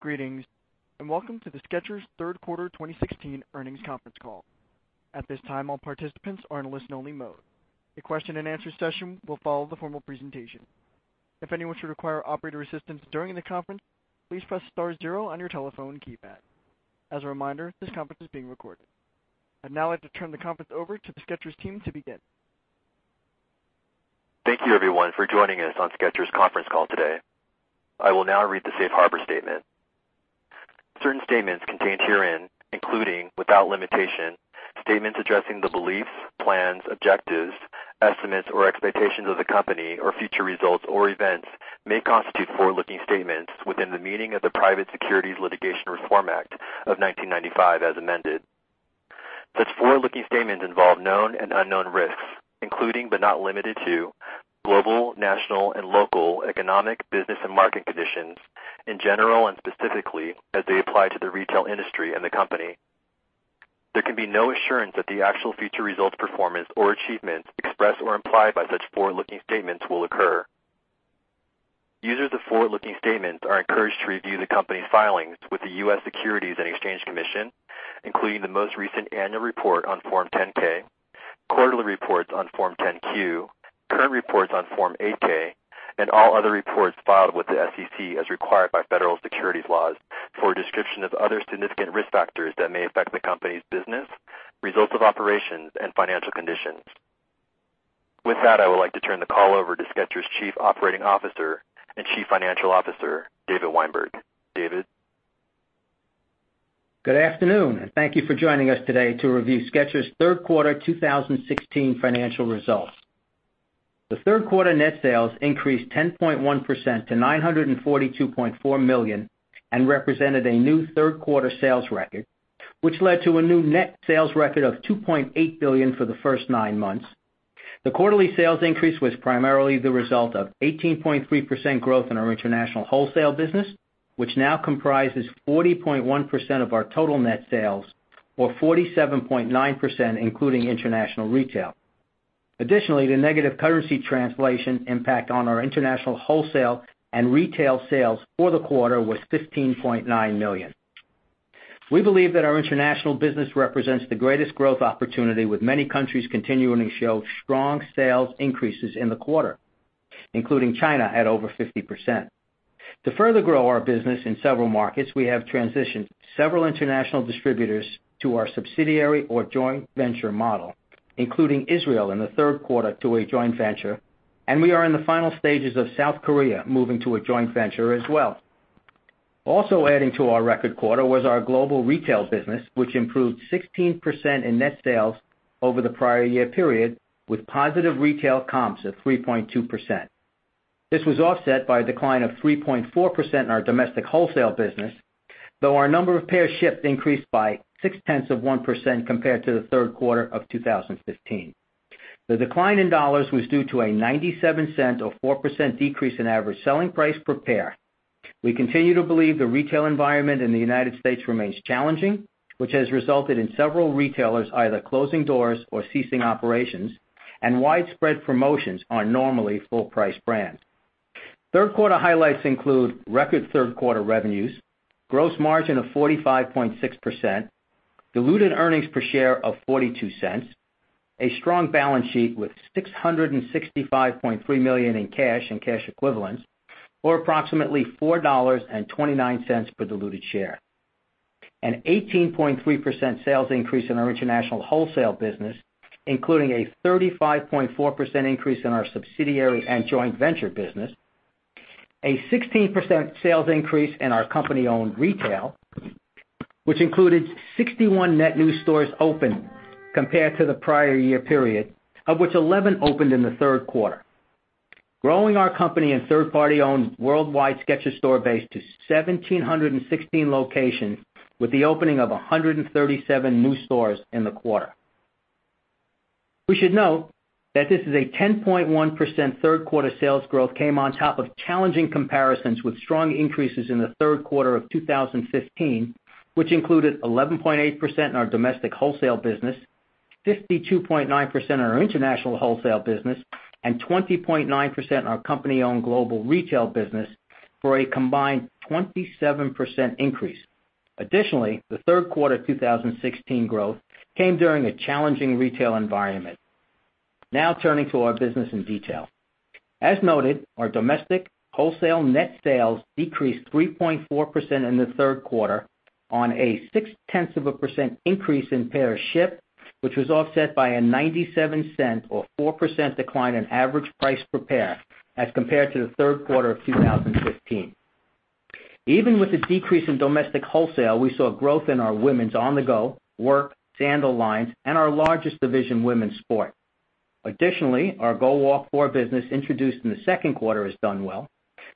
Greetings, and welcome to the Skechers' third quarter 2016 earnings conference call. At this time, all participants are in listen only mode. A question and answer session will follow the formal presentation. If anyone should require operator assistance during the conference, please press star zero on your telephone keypad. As a reminder, this conference is being recorded. I'd now like to turn the conference over to the Skechers team to begin. Thank you everyone for joining us on Skechers' conference call today. I will now read the safe harbor statement. Certain statements contained herein, including without limitation, statements addressing the beliefs, plans, objectives, estimates or expectations of the company or future results or events may constitute forward-looking statements within the meaning of the Private Securities Litigation Reform Act of 1995 as amended. Such forward-looking statements involve known and unknown risks, including, but not limited to global, national, and local economic business and market conditions in general and specifically as they apply to the retail industry and the company. There can be no assurance that the actual future results, performance, or achievements expressed or implied by such forward-looking statements will occur. Users of forward-looking statements are encouraged to review the company's filings with the US Securities and Exchange Commission, including the most recent annual report on Form 10-K, quarterly reports on Form 10-Q, current reports on Form 8-K and all other reports filed with the SEC as required by federal securities laws for a description of other significant risk factors that may affect the company's business, results of operations, and financial conditions. With that, I would like to turn the call over to Skechers' Chief Operating Officer and Chief Financial Officer, David Weinberg. David. Good afternoon, and thank you for joining us today to review Skechers' third quarter 2016 financial results. The third quarter net sales increased 10.1% to $942.4 million and represented a new third-quarter sales record, which led to a new net sales record of $2.8 billion for the first nine months. The quarterly sales increase was primarily the result of 18.3% growth in our international wholesale business, which now comprises 40.1% of our total net sales, or 47.9%, including international retail. Additionally, the negative currency translation impact on our international wholesale and retail sales for the quarter was $15.9 million. We believe that our international business represents the greatest growth opportunity, with many countries continuing to show strong sales increases in the quarter, including China at over 50%. To further grow our business in several markets, we have transitioned several international distributors to our subsidiary or joint venture model, including Israel in the third quarter to a joint venture, and we are in the final stages of South Korea moving to a joint venture as well. Also adding to our record quarter was our global retail business, which improved 16% in net sales over the prior year period, with positive retail comps of 3.2%. This was offset by a decline of 3.4% in our domestic wholesale business, though our number of pair shipped increased by 0.6% compared to the third quarter of 2015. The decline in dollars was due to a $0.97 or 4% decrease in average selling price per pair. We continue to believe the retail environment in the U.S. remains challenging, which has resulted in several retailers either closing doors or ceasing operations, and widespread promotions on normally full price brands. Third quarter highlights include record third quarter revenues, gross margin of 45.6%, diluted earnings per share of $0.42, a strong balance sheet with $665.3 million in cash and cash equivalents, or approximately $4.29 per diluted share. An 18.3% sales increase in our international wholesale business, including a 35.4% increase in our subsidiary and joint venture business. A 16% sales increase in our company-owned retail, which included 61 net new stores opened compared to the prior year period, of which 11 opened in the third quarter. Growing our company and third party-owned worldwide Skechers store base to 1,716 locations with the opening of 137 new stores in the quarter. We should note that this is a 10.1% third quarter sales growth came on top of challenging comparisons with strong increases in the third quarter of 2015, which included 11.8% in our domestic wholesale business, 52.9% in our international wholesale business, and 20.9% in our company-owned global retail business for a combined 27% increase. Additionally, the third quarter 2016 growth came during a challenging retail environment. Now turning to our business in detail. As noted, our domestic wholesale net sales decreased 3.4% in the third quarter on a 0.6% increase in pairs shipped, which was offset by a $0.97 or 4% decline in average price per pair as compared to the third quarter of 2015. Even with the decrease in domestic wholesale, we saw growth in our women's On-the-Go, Work, sandal lines and our largest division, women's sport. Additionally, our GOwalk 4 business introduced in the second quarter has done well,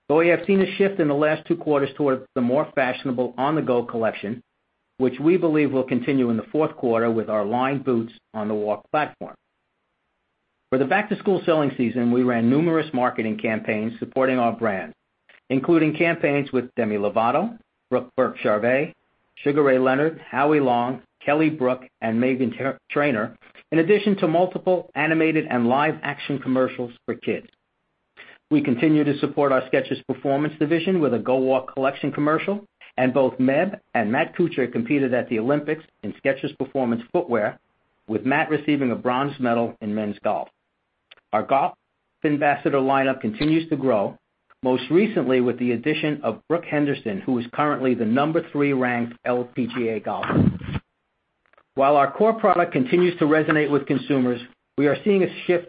though we have seen a shift in the last two quarters towards the more fashionable On-the-Go collection, which we believe will continue in the fourth quarter with our lined boots on the Walk platform. For the back-to-school selling season, we ran numerous marketing campaigns supporting our brand, including campaigns with Demi Lovato, Brooke Burke-Charvet, Sugar Ray Leonard, Howie Long, Kelly Brook, and Meghan Trainor. In addition to multiple animated and live action commercials for kids. We continue to support our Skechers Performance division with a GO WALK collection commercial, and both Meb and Matt Kuchar competed at the Olympics in Skechers Performance footwear, with Matt receiving a bronze medal in men's golf. Our golf ambassador lineup continues to grow, most recently with the addition of Brooke Henderson, who is currently the number 3-ranked LPGA golfer. While our core product continues to resonate with consumers, we are seeing a shift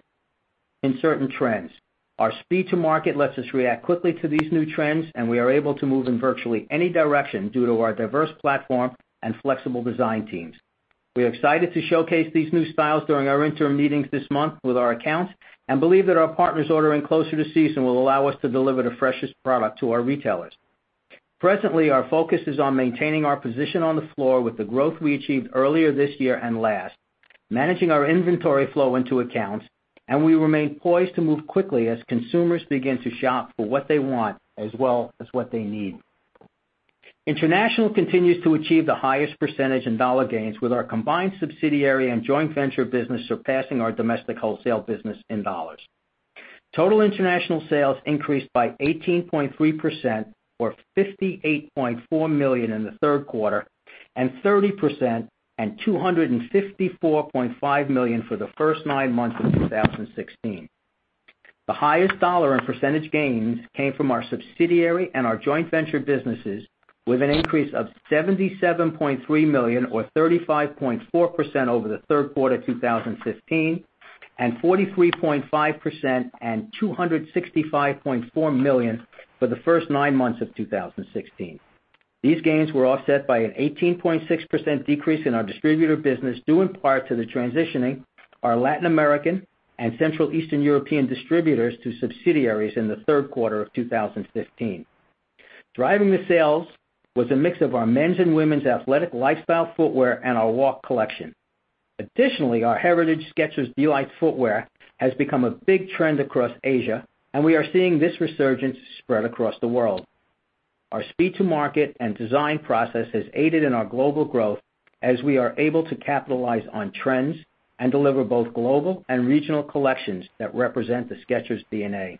in certain trends. Our speed to market lets us react quickly to these new trends, and we are able to move in virtually any direction due to our diverse platform and flexible design teams. We are excited to showcase these new styles during our interim meetings this month with our accounts and believe that our partners ordering closer to season will allow us to deliver the freshest product to our retailers. Presently, our focus is on maintaining our position on the floor with the growth we achieved earlier this year and last, managing our inventory flow into accounts. We remain poised to move quickly as consumers begin to shop for what they want as well as what they need. International continues to achieve the highest percentage in dollar gains, with our combined subsidiary and joint venture business surpassing our domestic wholesale business in dollars. Total international sales increased by 18.3%, or $58.4 million in the third quarter, and 30% and $254.5 million for the first nine months of 2016. The highest dollar and percentage gains came from our subsidiary and our joint venture businesses, with an increase of $77.3 million or 35.4% over the third quarter 2015, and 43.5% and $265.4 million for the first nine months of 2016. These gains were offset by an 18.6% decrease in our distributor business, due in part to the transitioning our Latin American and Central Eastern European distributors to subsidiaries in the third quarter of 2015. Driving the sales was a mix of our men's and women's athletic lifestyle footwear and our GO WALK collection. Additionally, our heritage Skechers D'Lites footwear has become a big trend across Asia. We are seeing this resurgence spread across the world. Our speed to market and design process has aided in our global growth as we are able to capitalize on trends and deliver both global and regional collections that represent the Skechers DNA.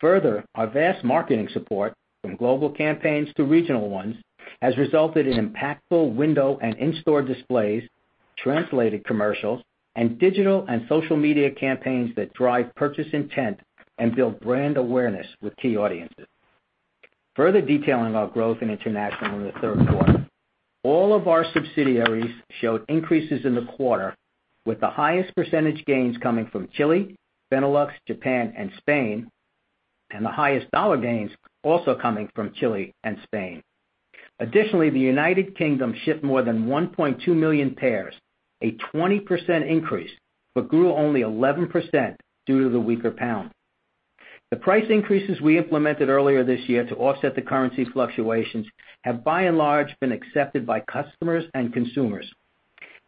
Further, our vast marketing support, from global campaigns to regional ones, has resulted in impactful window and in-store displays, translated commercials, and digital and social media campaigns that drive purchase intent and build brand awareness with key audiences. Further detailing our growth in international in the third quarter, all of our subsidiaries showed increases in the quarter, with the highest percentage gains coming from Chile, Benelux, Japan, and Spain, and the highest dollar gains also coming from Chile and Spain. Additionally, the United Kingdom shipped more than 1.2 million pairs, a 20% increase, but grew only 11% due to the weaker pound. The price increases we implemented earlier this year to offset the currency fluctuations have, by and large, been accepted by customers and consumers.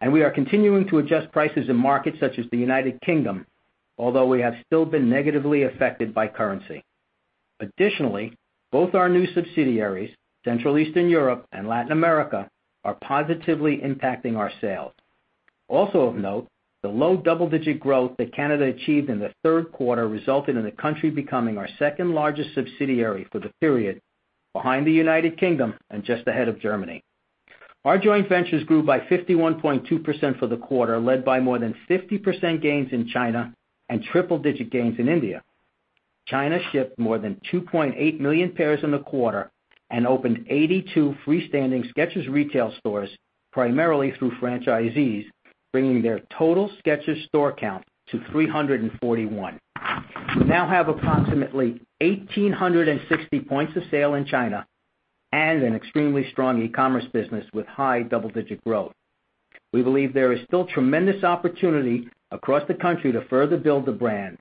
We are continuing to adjust prices in markets such as the United Kingdom, although we have still been negatively affected by currency. Additionally, both our new subsidiaries, Central Eastern Europe and Latin America, are positively impacting our sales. Also of note, the low double-digit growth that Canada achieved in the third quarter resulted in the country becoming our second-largest subsidiary for the period, behind the U.K. and just ahead of Germany. Our joint ventures grew by 51.2% for the quarter, led by more than 50% gains in China and triple-digit gains in India. China shipped more than 2.8 million pairs in the quarter and opened 82 freestanding Skechers retail stores, primarily through franchisees, bringing their total Skechers store count to 341. We now have approximately 1,860 points of sale in China and an extremely strong e-commerce business with high double-digit growth. We believe there is still tremendous opportunity across the country to further build the brand.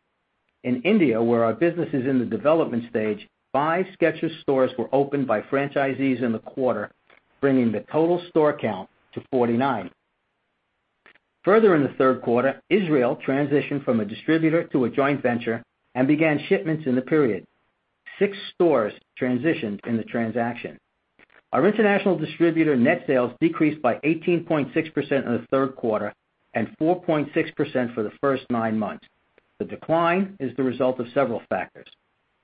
In India, where our business is in the development stage, five Skechers stores were opened by franchisees in the quarter, bringing the total store count to 49. Further, in the third quarter, Israel transitioned from a distributor to a joint venture and began shipments in the period. Six stores transitioned in the transaction. Our international distributor net sales decreased by 18.6% in the third quarter and 4.6% for the first nine months. The decline is the result of several factors.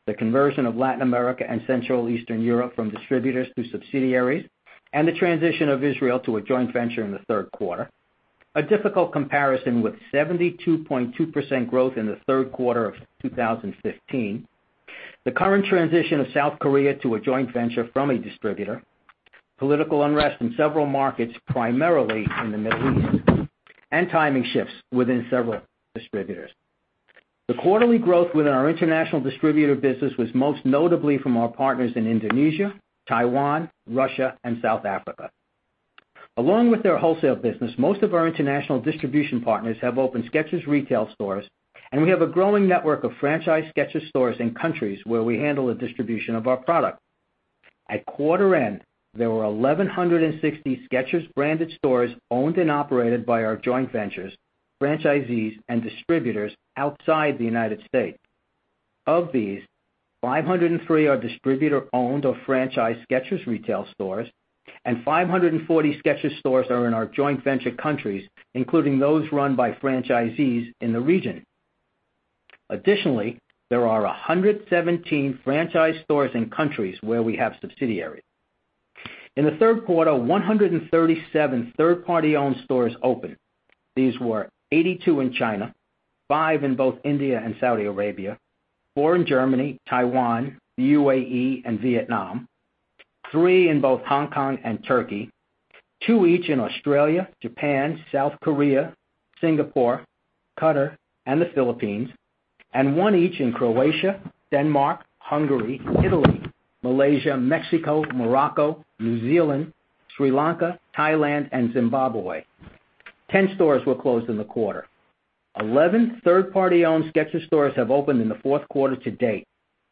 The conversion of Latin America and Central Eastern Europe from distributors to subsidiaries and the transition of Israel to a joint venture in the third quarter, a difficult comparison with 72.2% growth in the third quarter of 2015, the current transition of South Korea to a joint venture from a distributor, political unrest in several markets, primarily in the Middle East, and timing shifts within several distributors. The quarterly growth within our international distributor business was most notably from our partners in Indonesia, Taiwan, Russia, and South Africa. Along with their wholesale business, most of our international distribution partners have opened Skechers retail stores, and we have a growing network of franchise Skechers stores in countries where we handle the distribution of our product. At quarter end, there were 1,160 Skechers-branded stores owned and operated by our joint ventures, franchisees, and distributors outside the U.S. Of these, 503 are distributor-owned or franchise Skechers retail stores, and 540 Skechers stores are in our joint venture countries, including those run by franchisees in the region. Additionally, there are 117 franchise stores in countries where we have subsidiaries. In the third quarter, 137 third-party owned stores opened. These were 82 in China, five in both India and Saudi Arabia, four in Germany, Taiwan, UAE, and Vietnam, three in both Hong Kong and Turkey, two each in Australia, Japan, South Korea, Singapore, Qatar, and the Philippines, and one each in Croatia, Denmark, Hungary, Italy, Malaysia, Mexico, Morocco, New Zealand, Sri Lanka, Thailand, and Zimbabwe. 10 stores were closed in the quarter. 11 third-party owned Skechers stores have opened in the fourth quarter to date.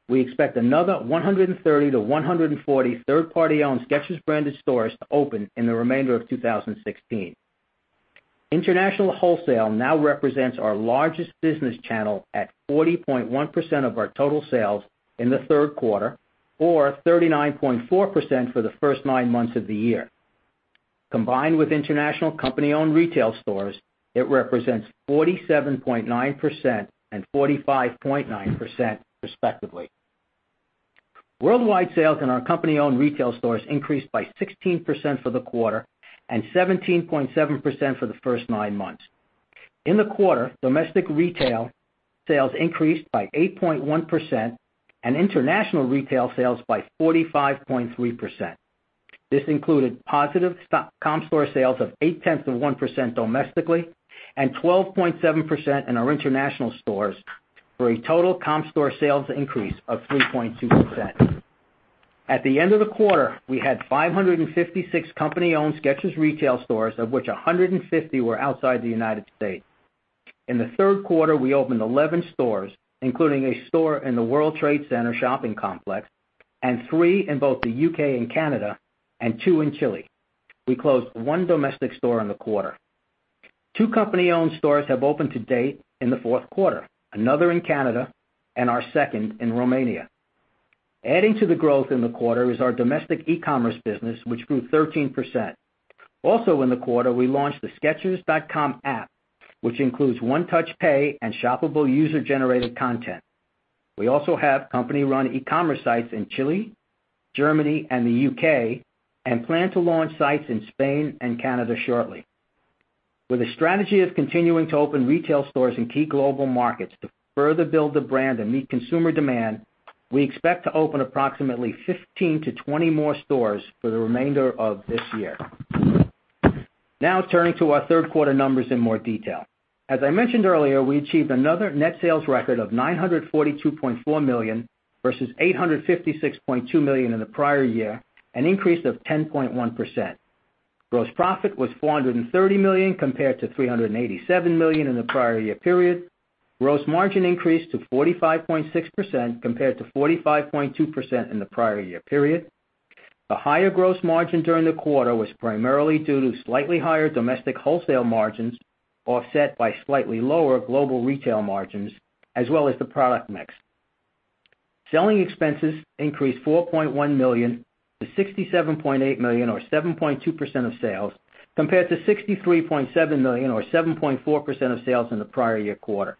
We expect another 130-140 third-party owned Skechers-branded stores to open in the remainder of 2016. International wholesale now represents our largest business channel at 40.1% of our total sales in the third quarter, or 39.4% for the first nine months of the year. Combined with international company-owned retail stores, it represents 47.9% and 45.9% respectively. Worldwide sales in our company-owned retail stores increased by 16% for the quarter and 17.7% for the first nine months. In the quarter, domestic retail sales increased by 8.1% and international retail sales by 45.3%. This included positive comp store sales of 0.8% domestically and 12.7% in our international stores for a total comp store sales increase of 3.2%. At the end of the quarter, we had 556 company-owned Skechers retail stores, of which 150 were outside the U.S. In the third quarter, we opened 11 stores, including a store in the World Trade Center shopping complex, and three in both the U.K. and Canada, and two in Chile. We closed one domestic store in the quarter. Two company-owned stores have opened to date in the fourth quarter, another in Canada and our second in Romania. Adding to the growth in the quarter is our domestic e-commerce business, which grew 13%. In the quarter, we launched the skechers.com app, which includes one-touch pay and shoppable user-generated content. We also have company-run e-commerce sites in Chile, Germany, and the U.K., and plan to launch sites in Spain and Canada shortly. With a strategy of continuing to open retail stores in key global markets to further build the brand and meet consumer demand, we expect to open approximately 15 to 20 more stores for the remainder of this year. Turning to our third quarter numbers in more detail. As I mentioned earlier, we achieved another net sales record of $942.4 million, versus $856.2 million in the prior year, an increase of 10.1%. Gross profit was $430 million, compared to $387 million in the prior year period. Gross margin increased to 45.6%, compared to 45.2% in the prior year period. The higher gross margin during the quarter was primarily due to slightly higher domestic wholesale margins, offset by slightly lower global retail margins, as well as the product mix. Selling expenses increased $4.1 million to $67.8 million, or 7.2% of sales, compared to $63.7 million or 7.4% of sales in the prior year quarter.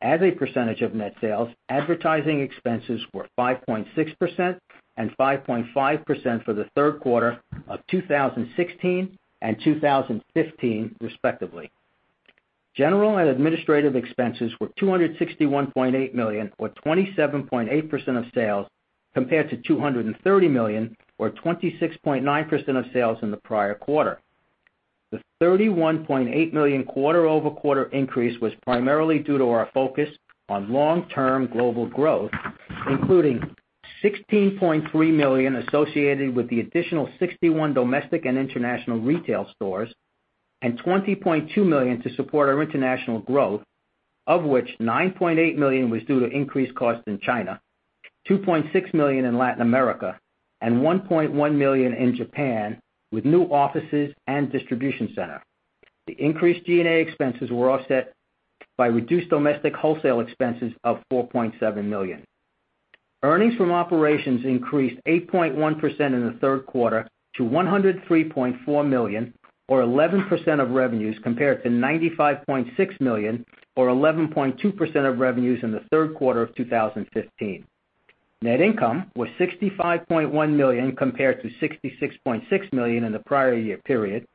As a percentage of net sales, advertising expenses were 5.6% and 5.5% for the third quarter of 2016 and 2015, respectively. General and administrative expenses were $261.8 million, or 27.8% of sales, compared to $230 million, or 26.9% of sales in the prior quarter. The $31.8 million quarter-over-quarter increase was primarily due to our focus on long-term global growth, including $16.3 million associated with the additional 61 domestic and international retail stores, and $20.2 million to support our international growth, of which $9.8 million was due to increased costs in China, $2.6 million in Latin America, and $1.1 million in Japan, with new offices and distribution center. The increased G&A expenses were offset by reduced domestic wholesale expenses of $4.7 million. Earnings from operations increased 8.1% in the third quarter to $103.4 million, or 11% of revenues, compared to $95.6 million, or 11.2% of revenues in the third quarter of 2015. Net income was $65.1 million, compared to $66.6 million in the prior year period.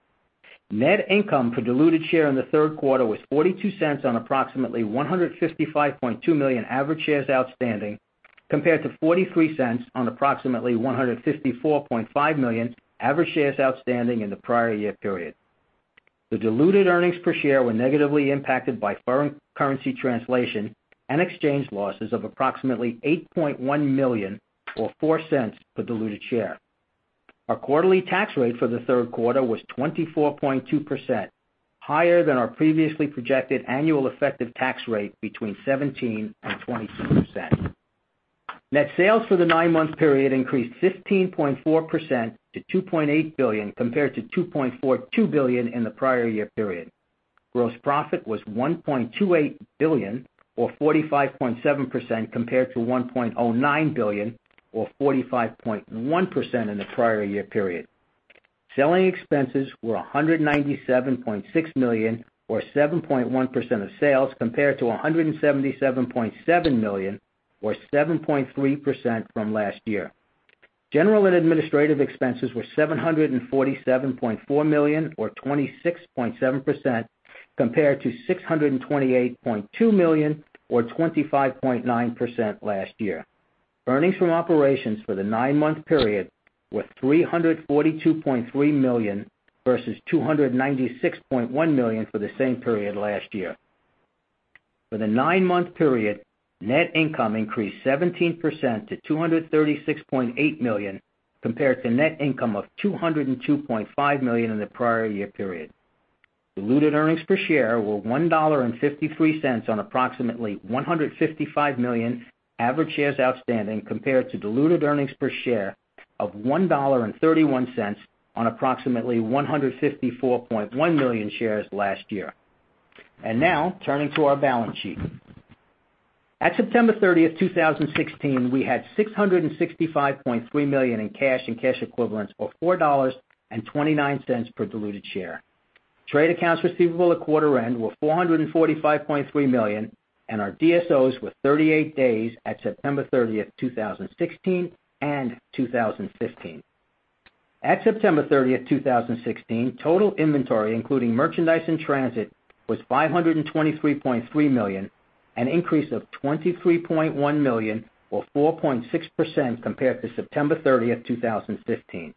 Net income per diluted share in the third quarter was $0.42 on approximately 155.2 million average shares outstanding, compared to $0.43 on approximately 154.5 million average shares outstanding in the prior year period. The diluted earnings per share were negatively impacted by foreign currency translation and exchange losses of approximately $8.1 million, or $0.04 per diluted share. Our quarterly tax rate for the third quarter was 24.2%, higher than our previously projected annual effective tax rate between 17% and 22%. Net sales for the nine-month period increased 15.4% to $2.8 billion, compared to $2.42 billion in the prior year period. Gross profit was $1.28 billion or 45.7%, compared to $1.09 billion or 45.1% in the prior year period. Selling expenses were $197.6 million or 7.1% of sales, compared to $177.7 million or 7.3% from last year. General and administrative expenses were $747.4 million or 26.7%, compared to $628.2 million or 25.9% last year. Earnings from operations for the nine-month period were $342.3 million versus $296.1 million for the same period last year. For the nine-month period, net income increased 17% to $236.8 million, compared to net income of $202.5 million in the prior year period. Diluted earnings per share were $1.53 on approximately 155 million average shares outstanding, compared to diluted earnings per share of $1.31 on approximately 154.1 million shares last year. Now turning to our balance sheet. At September 30th, 2016, we had $665.3 million in cash and cash equivalents, or $4.29 per diluted share. Trade accounts receivable at quarter end were $445.3 million, and our DSOs were 38 days at September 30th, 2016 and 2015. At September 30th, 2016, total inventory, including merchandise in transit, was $523.3 million, an increase of $23.1 million or 4.6% compared to September 30th, 2015.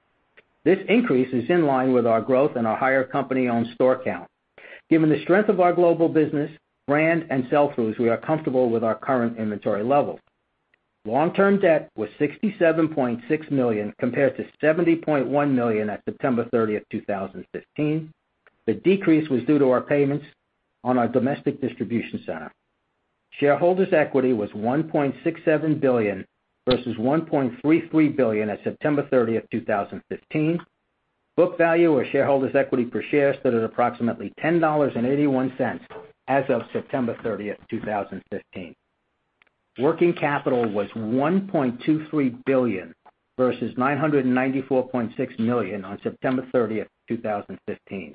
This increase is in line with our growth and our higher company-owned store count. Given the strength of our global business, brand, and sell-throughs, we are comfortable with our current inventory levels. Long-term debt was $67.6 million, compared to $70.1 million at September 30th, 2015. The decrease was due to our payments on our domestic distribution center. Shareholders' equity was $1.67 billion versus $1.33 billion at September 30th, 2015. Book value or shareholders' equity per share stood at approximately $10.81 as of September 30th, 2015. Working capital was $1.23 billion versus $994.6 million on September 30th, 2015.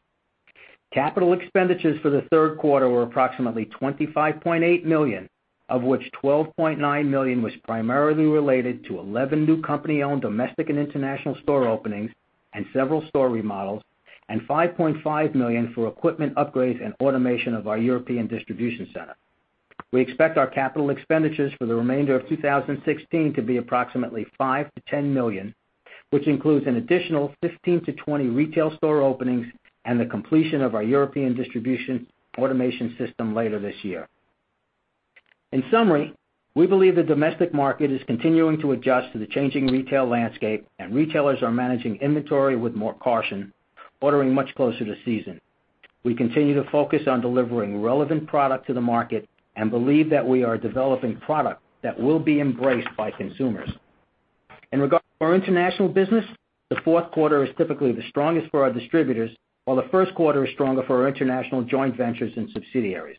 Capital expenditures for the third quarter were approximately $25.8 million, of which $12.9 million was primarily related to 11 new company-owned domestic and international store openings and several store remodels, and $5.5 million for equipment upgrades and automation of our European distribution center. We expect our capital expenditures for the remainder of 2016 to be approximately $5 million-$10 million, which includes an additional 15-20 retail store openings and the completion of our European distribution automation system later this year. In summary, we believe the domestic market is continuing to adjust to the changing retail landscape, and retailers are managing inventory with more caution, ordering much closer to season. We continue to focus on delivering relevant product to the market and believe that we are developing product that will be embraced by consumers. In regard to our international business, the fourth quarter is typically the strongest for our distributors, while the first quarter is stronger for our international joint ventures and subsidiaries.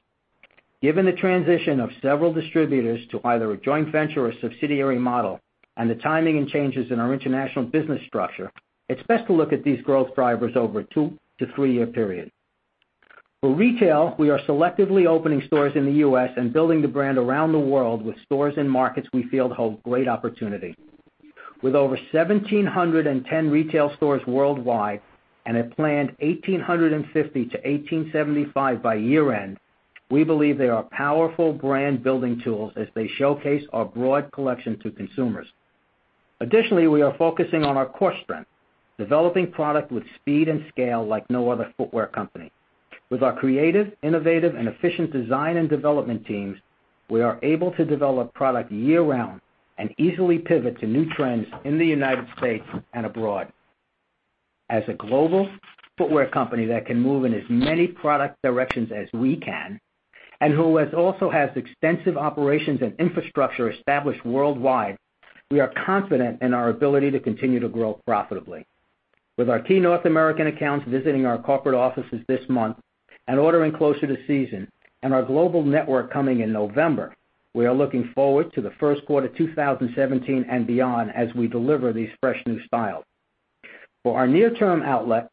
Given the transition of several distributors to either a joint venture or subsidiary model and the timing and changes in our international business structure, it's best to look at these growth drivers over a two to three-year period. For retail, we are selectively opening stores in the U.S. and building the brand around the world with stores in markets we feel hold great opportunity. With over 1,710 retail stores worldwide and a planned 1,850 to 1,875 by year-end, we believe they are powerful brand-building tools as they showcase our broad collection to consumers. Additionally, we are focusing on our core strength, developing product with speed and scale like no other footwear company. With our creative, innovative, and efficient design and development teams, we are able to develop product year-round and easily pivot to new trends in the United States and abroad. As a global footwear company that can move in as many product directions as we can and who also has extensive operations and infrastructure established worldwide, we are confident in our ability to continue to grow profitably. With our key North American accounts visiting our corporate offices this month and ordering closer to season and our global network coming in November, we are looking forward to the first quarter 2017 and beyond as we deliver these fresh new styles. For our near-term outlook,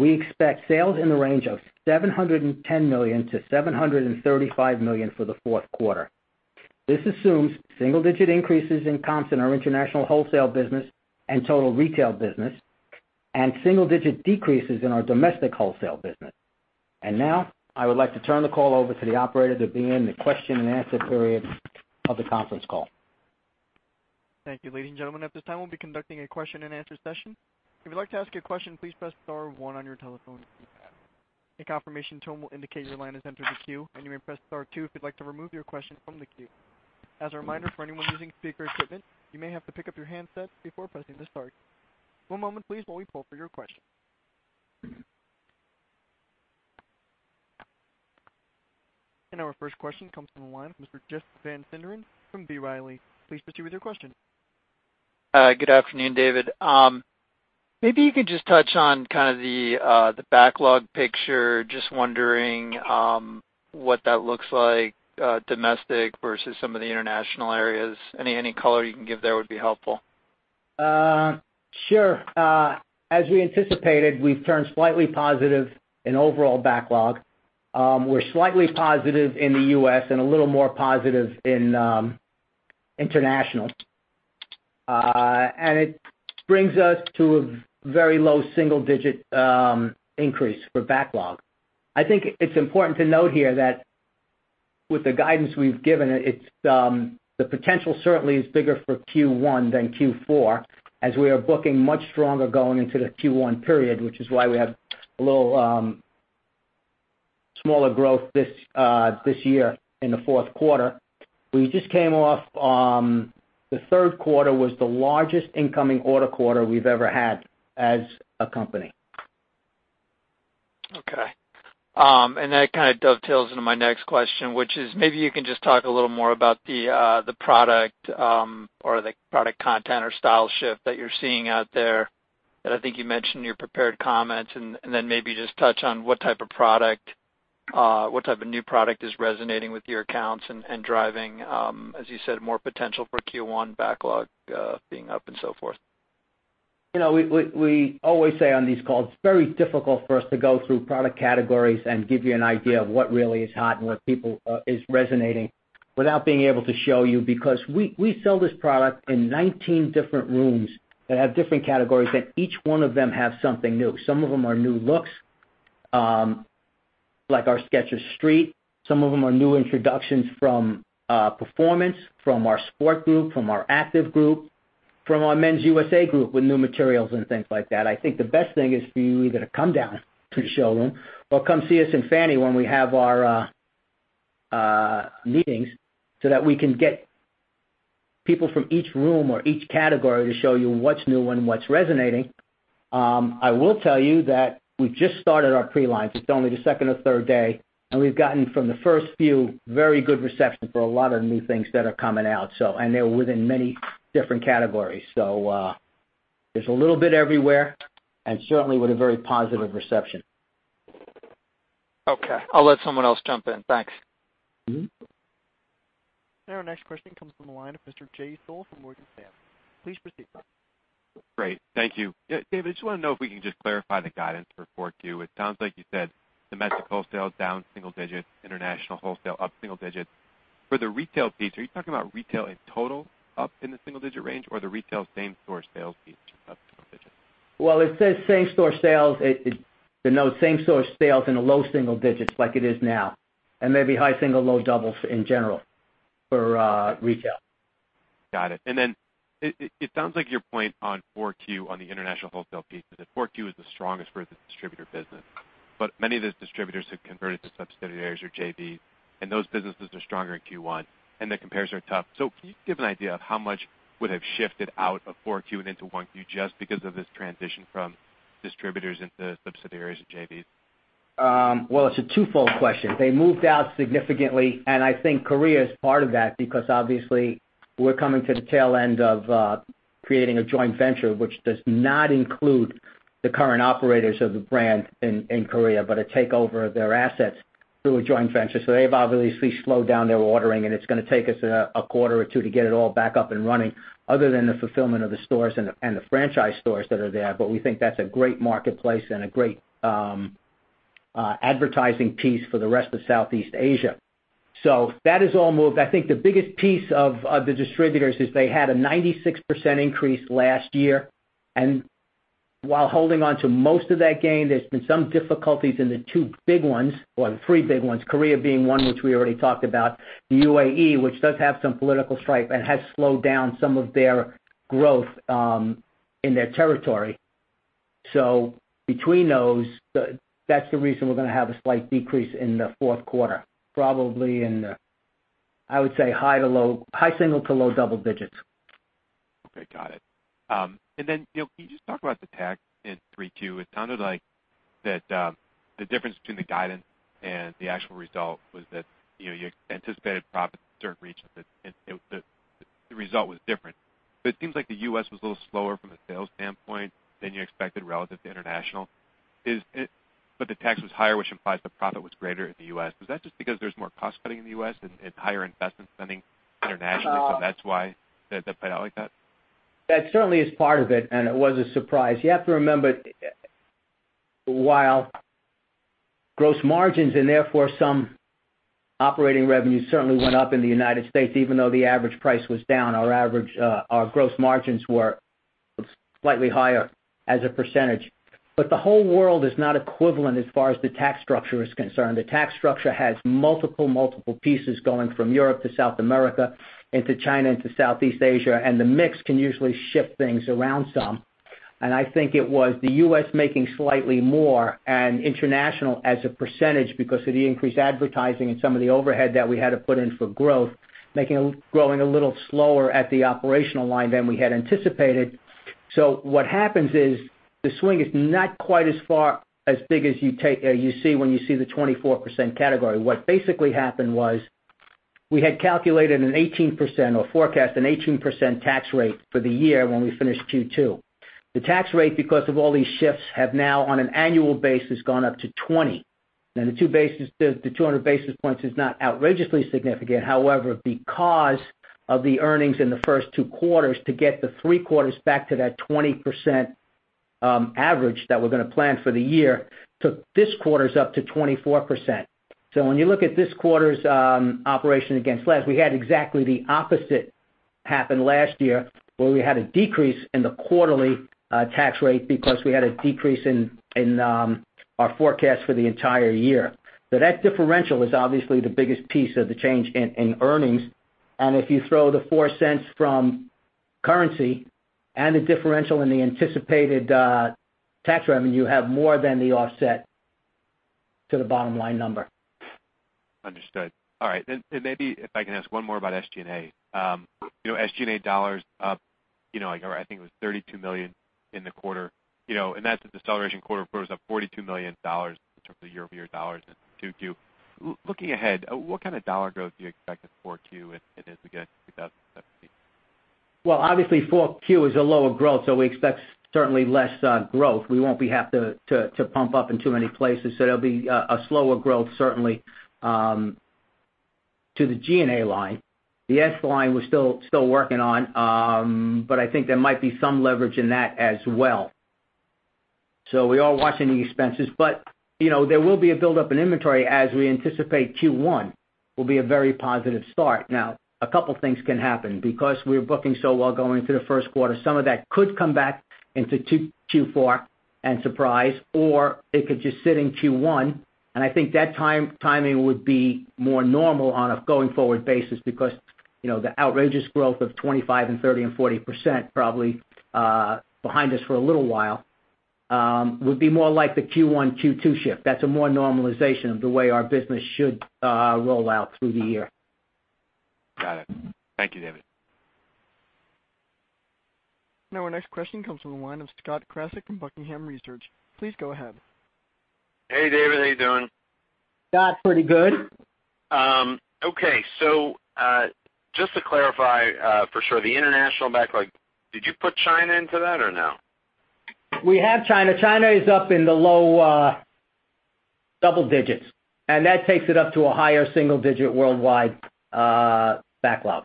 we expect sales in the range of $710 million-$735 million for the fourth quarter. This assumes single-digit increases in comps in our international wholesale business and total retail business and single-digit decreases in our domestic wholesale business. Now, I would like to turn the call over to the operator to begin the question and answer period of the conference call. Thank you. Ladies and gentlemen, at this time, we'll be conducting a question and answer session. If you'd like to ask your question, please press star one on your telephone keypad. A confirmation tone will indicate your line has entered the queue, and you may press star two if you'd like to remove your question from the queue. As a reminder, for anyone using speaker equipment, you may have to pick up your handset before pressing the star key. One moment please while we poll for your question. Our first question comes from the line of Mr. Jeff Van Sinderen from B. Riley. Please proceed with your question. Good afternoon, David. Maybe you could just touch on kind of the backlog picture. Just wondering what that looks like domestic versus some of the international areas. Any color you can give there would be helpful. Sure. As we anticipated, we've turned slightly positive in overall backlog. We're slightly positive in the U.S. and a little more positive in international. It brings us to a very low single-digit increase for backlog. I think it's important to note here that with the guidance we've given, the potential certainly is bigger for Q1 than Q4, as we are booking much stronger going into the Q1 period, which is why we have a little smaller growth this year in the fourth quarter. We just came off, the third quarter was the largest incoming order quarter we've ever had as a company. Okay. That kind of dovetails into my next question, which is maybe you can just talk a little more about the product or the product content or style shift that you're seeing out there that I think you mentioned in your prepared comments, and then maybe just touch on what type of new product is resonating with your accounts and driving, as you said, more potential for Q1 backlog being up and so forth. We always say on these calls, it's very difficult for us to go through product categories and give you an idea of what really is hot and what is resonating without being able to show you. We sell this product in 19 different rooms that have different categories, and each one of them have something new. Some of them are new looks, like our Skechers Street. Some of them are new introductions from Performance, from our Sport group, from our Active group, from our Men's USA group with new materials and things like that. I think the best thing is for you either to come down to the showroom or come see us in FFANY when we have our meetings so that we can get people from each room or each category to show you what's new and what's resonating. I will tell you that we've just started our pre-line. It's only the second or third day, and we've gotten, from the first few, very good reception for a lot of new things that are coming out. They're within many different categories. There's a little bit everywhere, and certainly with a very positive reception. Okay. I'll let someone else jump in. Thanks. Our next question comes from the line of Mr. Jay Sole from Morgan Stanley. Please proceed. Great. Thank you. David, I just want to know if we can just clarify the guidance for 4Q. It sounds like you said domestic wholesale is down single digits, international wholesale up single digits. For the retail piece, are you talking about retail in total up in the single-digit range, or the retail same-store sales piece up single digits? Well, it says same-store sales in the low single digits like it is now, and maybe high single, low doubles in general for retail. Got it. It sounds like your point on 4Q on the international wholesale piece is that 4Q is the strongest for the distributor business. Many of those distributors have converted to subsidiaries or JVs, and those businesses are stronger in Q1, and the compares are tough. Can you give an idea of how much would have shifted out of 4Q and into 1Q just because of this transition from distributors into subsidiaries or JVs? Well, it's a twofold question. They moved out significantly, and I think Korea is part of that because obviously we're coming to the tail end of creating a joint venture, which does not include the current operators of the brand in Korea, but a takeover of their assets through a joint venture. They've obviously slowed down their ordering, and it's going to take us a quarter or two to get it all back up and running, other than the fulfillment of the stores and the franchise stores that are there. We think that's a great marketplace and a great advertising piece for the rest of Southeast Asia. That has all moved. I think the biggest piece of the distributors is they had a 96% increase last year. While holding on to most of that gain, there's been some difficulties in the two big ones, or the three big ones, Korea being one, which we already talked about. The UAE, which does have some political strife and has slowed down some of their growth in their territory. Between those, that's the reason we're going to have a slight decrease in the fourth quarter. Probably in the, I would say, high single to low double digits. Okay. Got it. Can you just talk about the tax in 3Q? It sounded like that the difference between the guidance and the actual result was that you anticipated profits in certain regions, and the result was different. It seems like the U.S. was a little slower from a sales standpoint than you expected relative to international. The tax was higher, which implies the profit was greater in the U.S. Was that just because there's more cost cutting in the U.S. and higher investment spending internationally, so that's why that played out like that? That certainly is part of it, and it was a surprise. You have to remember, while gross margins and therefore some operating revenues certainly went up in the United States, even though the average price was down, our gross margins were slightly higher as a percentage. The whole world is not equivalent as far as the tax structure is concerned. The tax structure has multiple pieces going from Europe to South America and to China and to Southeast Asia, and the mix can usually shift things around some. I think it was the U.S. making slightly more and international as a percentage because of the increased advertising and some of the overhead that we had to put in for growth, growing a little slower at the operational line than we had anticipated. What happens is the swing is not quite as big as you see when you see the 24% category. What basically happened was we had forecasted an 18% tax rate for the year when we finished Q2. The tax rate, because of all these shifts, have now on an annual basis gone up to 20%. The 200 basis points is not outrageously significant. However, because of the earnings in the first two quarters, to get the three quarters back to that 20% average that we're going to plan for the year, took this quarter's up to 24%. When you look at this quarter's operation against last, we had exactly the opposite happen last year, where we had a decrease in the quarterly tax rate because we had a decrease in our forecast for the entire year. That differential is obviously the biggest piece of the change in earnings. If you throw the $0.04 from currency and the differential in the anticipated tax revenue, you have more than the offset to the bottom line number. Understood. All right. Maybe if I can ask one more about SG&A. SG&A dollars up, I think it was $32 million in the quarter, and that's as acceleration quarter was up $42 million in terms of year-over-year dollars in Q2. Looking ahead, what kind of dollar growth do you expect in 4Q if it is again 2017? Well, obviously 4Q is a lower growth, we expect certainly less growth. We won't have to pump up in too many places, there'll be a slower growth certainly to the G&A line. The S line we're still working on, I think there might be some leverage in that as well. We are watching the expenses, there will be a buildup in inventory as we anticipate Q1 will be a very positive start. Now, a couple things can happen. Because we're booking so well going into the first quarter, some of that could come back into Q4 and surprise, or it could just sit in Q1. I think that timing would be more normal on a going forward basis because, the outrageous growth of 25%, 30% and 40%, probably behind us for a little while, would be more like the Q1, Q2 shift. That's a more normalization of the way our business should roll out through the year. Got it. Thank you, David. Our next question comes from the line of Scott Krasik from Buckingham Research. Please go ahead. Hey, David, how you doing? Scott, pretty good. Okay. Just to clarify for sure, the international backlog, did you put China into that or no? We have China. China is up in the low double digits, that takes it up to a higher single digit worldwide backlog.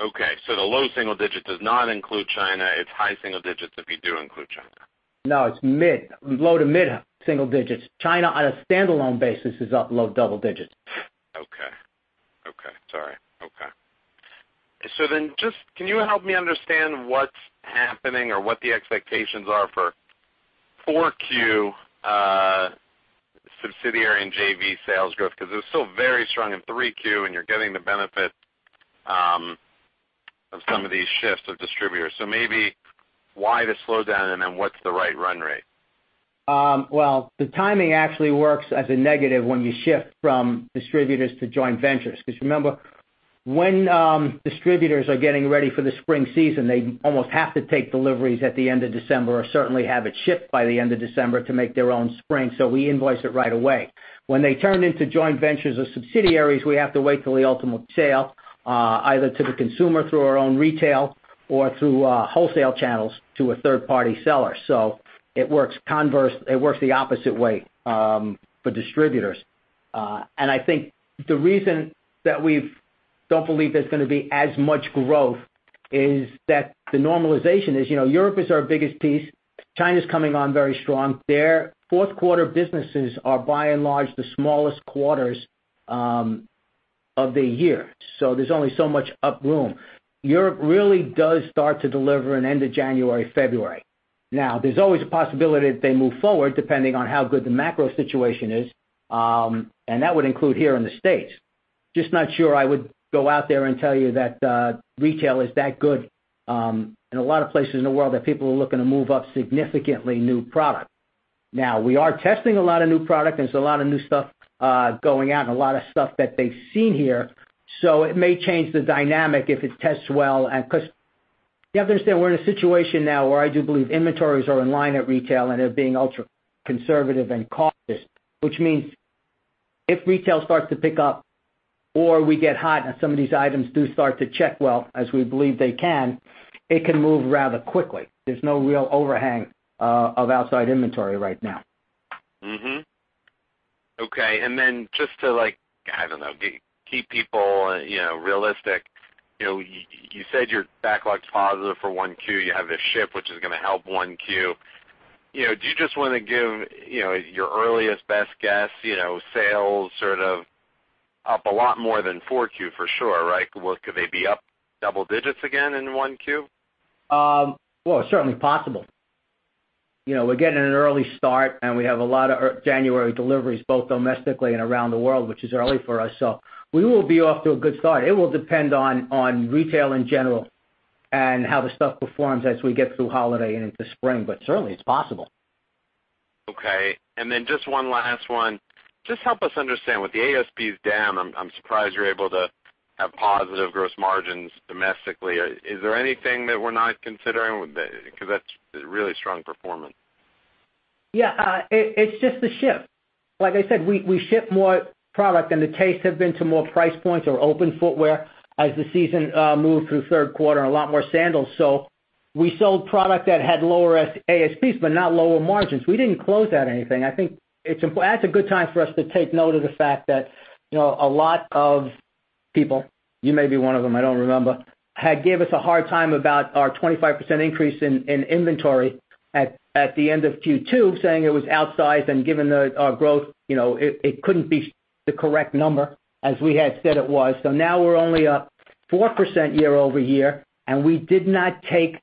Okay. The low single digit does not include China, it's high single digits if you do include China. No, it's low to mid single digits. China on a standalone basis is up low double digits. Okay. Sorry. Okay. Can you help me understand what's happening or what the expectations are for 4Q subsidiary and JV sales growth? Because it was still very strong in 3Q, you're getting the benefit of some of these shifts of distributors. Maybe why the slowdown, what's the right run rate? Well, the timing actually works as a negative when you shift from distributors to joint ventures. Remember, when distributors are getting ready for the spring season, they almost have to take deliveries at the end of December, or certainly have it shipped by the end of December to make their own spring. We invoice it right away. When they turn into joint ventures or subsidiaries, we have to wait till the ultimate sale, either to the consumer through our own retail or through wholesale channels to a third-party seller. It works the opposite way for distributors. I think the reason that we don't believe there's going to be as much growth is that the normalization is, Europe is our biggest piece. China's coming on very strong. Their fourth quarter businesses are by and large the smallest quarters of the year. There's only so much up room. Europe really does start to deliver in end of January, February. There's always a possibility that they move forward depending on how good the macro situation is, and that would include here in the U.S. Just not sure I would go out there and tell you that retail is that good in a lot of places in the world that people are looking to move up significantly new product. We are testing a lot of new product, and there's a lot of new stuff going out and a lot of stuff that they've seen here. It may change the dynamic if it tests well. You have to understand, we're in a situation now where I do believe inventories are in line at retail, and they're being ultra-conservative and cautious, which means if retail starts to pick up or we get hot and some of these items do start to check well, as we believe they can, it can move rather quickly. There's no real overhang of outside inventory right now. Okay. Just to, I don't know, keep people realistic. You said your backlog's positive for 1Q, you have a ship, which is going to help 1Q. Do you just want to give your earliest best guess? Sales sort of up a lot more than 4Q for sure, right? Could they be up double digits again in 1Q? It's certainly possible. We're getting an early start, and we have a lot of January deliveries both domestically and around the world, which is early for us. We will be off to a good start. It will depend on retail in general and how the stuff performs as we get through holiday and into spring. Certainly it's possible. Just one last one. Help us understand. With the ASPs down, I'm surprised you're able to have positive gross margins domestically. Is there anything that we're not considering? That's really strong performance. It's just the shift. Like I said, we ship more product and the taste have been to more price points or open footwear as the season moved through third quarter and a lot more sandals. We sold product that had lower ASPs, but not lower margins. We didn't close out anything. I think that's a good time for us to take note of the fact that, a lot of people, you may be one of them, I don't remember, had gave us a hard time about our 25% increase in inventory at the end of Q2, saying it was outsized and given our growth, it couldn't be the correct number as we had said it was. Now we're only up 4% year-over-year, and we did not take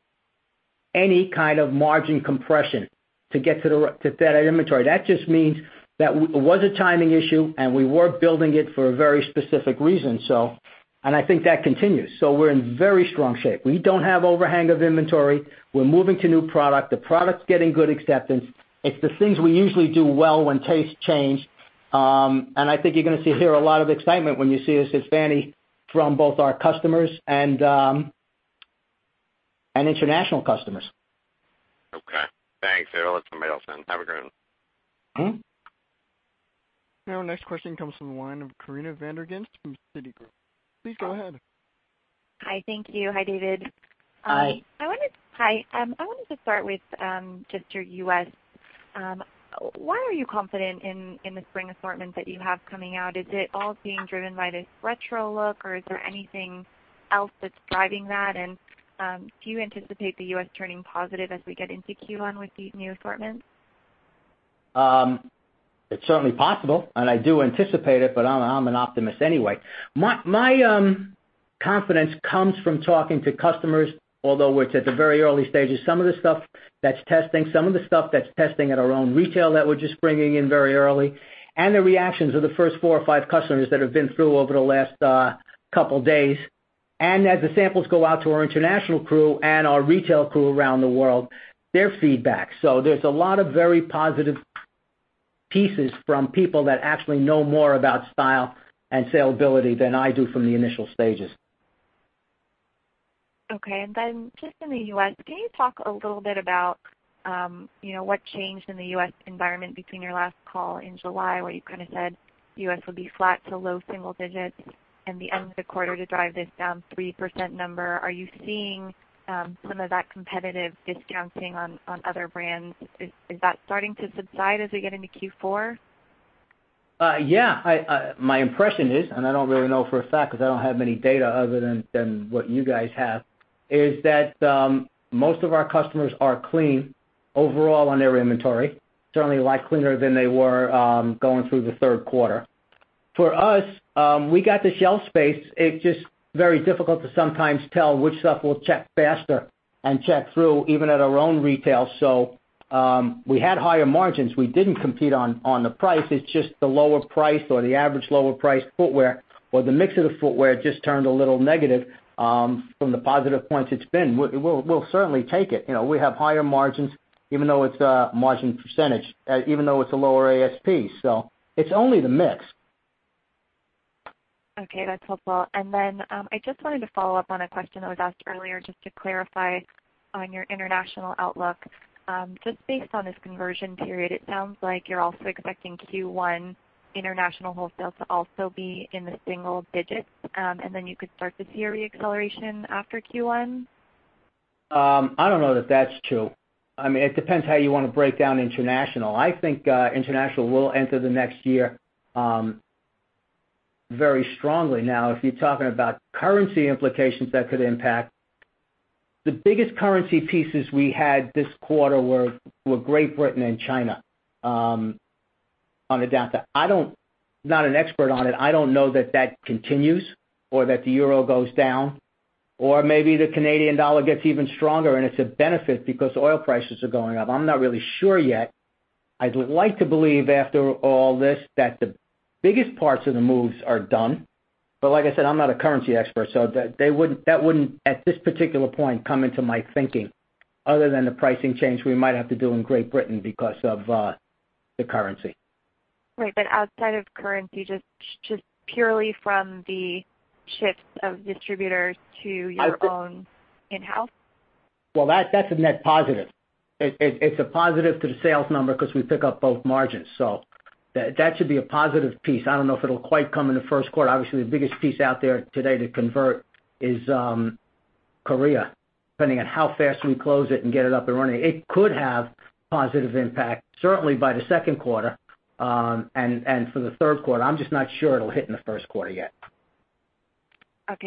any kind of margin compression to get to that inventory. That just means that it was a timing issue, and we were building it for a very specific reason. I think that continues. We're in very strong shape. We don't have overhang of inventory. We're moving to new product. The product's getting good acceptance. It's the things we usually do well when tastes change. I think you're going to see and hear a lot of excitement when you see us at FFANY from both our customers and international customers. Okay. Thanks, I will let somebody else in. Have a great one. Our next question comes from the line of Corinna van der Ghinst from Citigroup. Please go ahead. Hi. Thank you. Hi, David. Hi. Hi. I wanted to start with just your U.S. Why are you confident in the spring assortment that you have coming out? Is it all being driven by this retro look, or is there anything else that's driving that? Do you anticipate the U.S. turning positive as we get into Q1 with these new assortments? It's certainly possible, I do anticipate it, I'm an optimist anyway. My confidence comes from talking to customers, although it's at the very early stages, some of the stuff that's testing, some of the stuff that's testing at our own retail that we're just bringing in very early, and the reactions of the first four or five customers that have been through over the last couple of days. As the samples go out to our international crew and our retail crew around the world, their feedback. There's a lot of very positive pieces from people that actually know more about style and saleability than I do from the initial stages. Okay, just in the U.S., can you talk a little bit about what changed in the U.S. environment between your last call in July where you said U.S. would be flat to low single digits and the end of the quarter to drive this down 3% number. Are you seeing some of that competitive discounting on other brands? Is that starting to subside as we get into Q4? Yeah. My impression is, I don't really know for a fact because I don't have many data other than what you guys have, is that most of our customers are clean overall on their inventory, certainly a lot cleaner than they were going through the third quarter. For us, we got the shelf space. It's just very difficult to sometimes tell which stuff will check faster and check through, even at our own retail. We had higher margins. We didn't compete on the price. It's just the lower price or the average lower price footwear, or the mix of the footwear just turned a little negative from the positive points it's been. We'll certainly take it. We have higher margins even though it's a margin percentage, even though it's a lower ASP. It's only the mix. Okay, that's helpful. I just wanted to follow up on a question that was asked earlier just to clarify on your international outlook. Just based on this conversion period, it sounds like you're also expecting Q1 international wholesale to also be in the single digits, you could start to see a re-acceleration after Q1? I don't know that that's true. It depends how you want to break down international. I think international will enter the next year very strongly. If you're talking about currency implications that could impact, the biggest currency pieces we had this quarter were Great Britain and China on the down side. I'm not an expert on it. I don't know that that continues or that the euro goes down, or maybe the Canadian dollar gets even stronger and it's a benefit because oil prices are going up. I'm not really sure yet. I'd like to believe after all this that the biggest parts of the moves are done. Like I said, I'm not a currency expert, so that wouldn't, at this particular point, come into my thinking other than the pricing change we might have to do in Great Britain because of the currency. Right. Outside of currency, just purely from the shifts of distributors to your own in-house? That's a net positive. It's a positive to the sales number because we pick up both margins. That should be a positive piece. I don't know if it'll quite come in the first quarter. Obviously, the biggest piece out there today to convert is Korea, depending on how fast we close it and get it up and running. It could have positive impact, certainly by the second quarter, and for the third quarter. I'm just not sure it'll hit in the first quarter yet.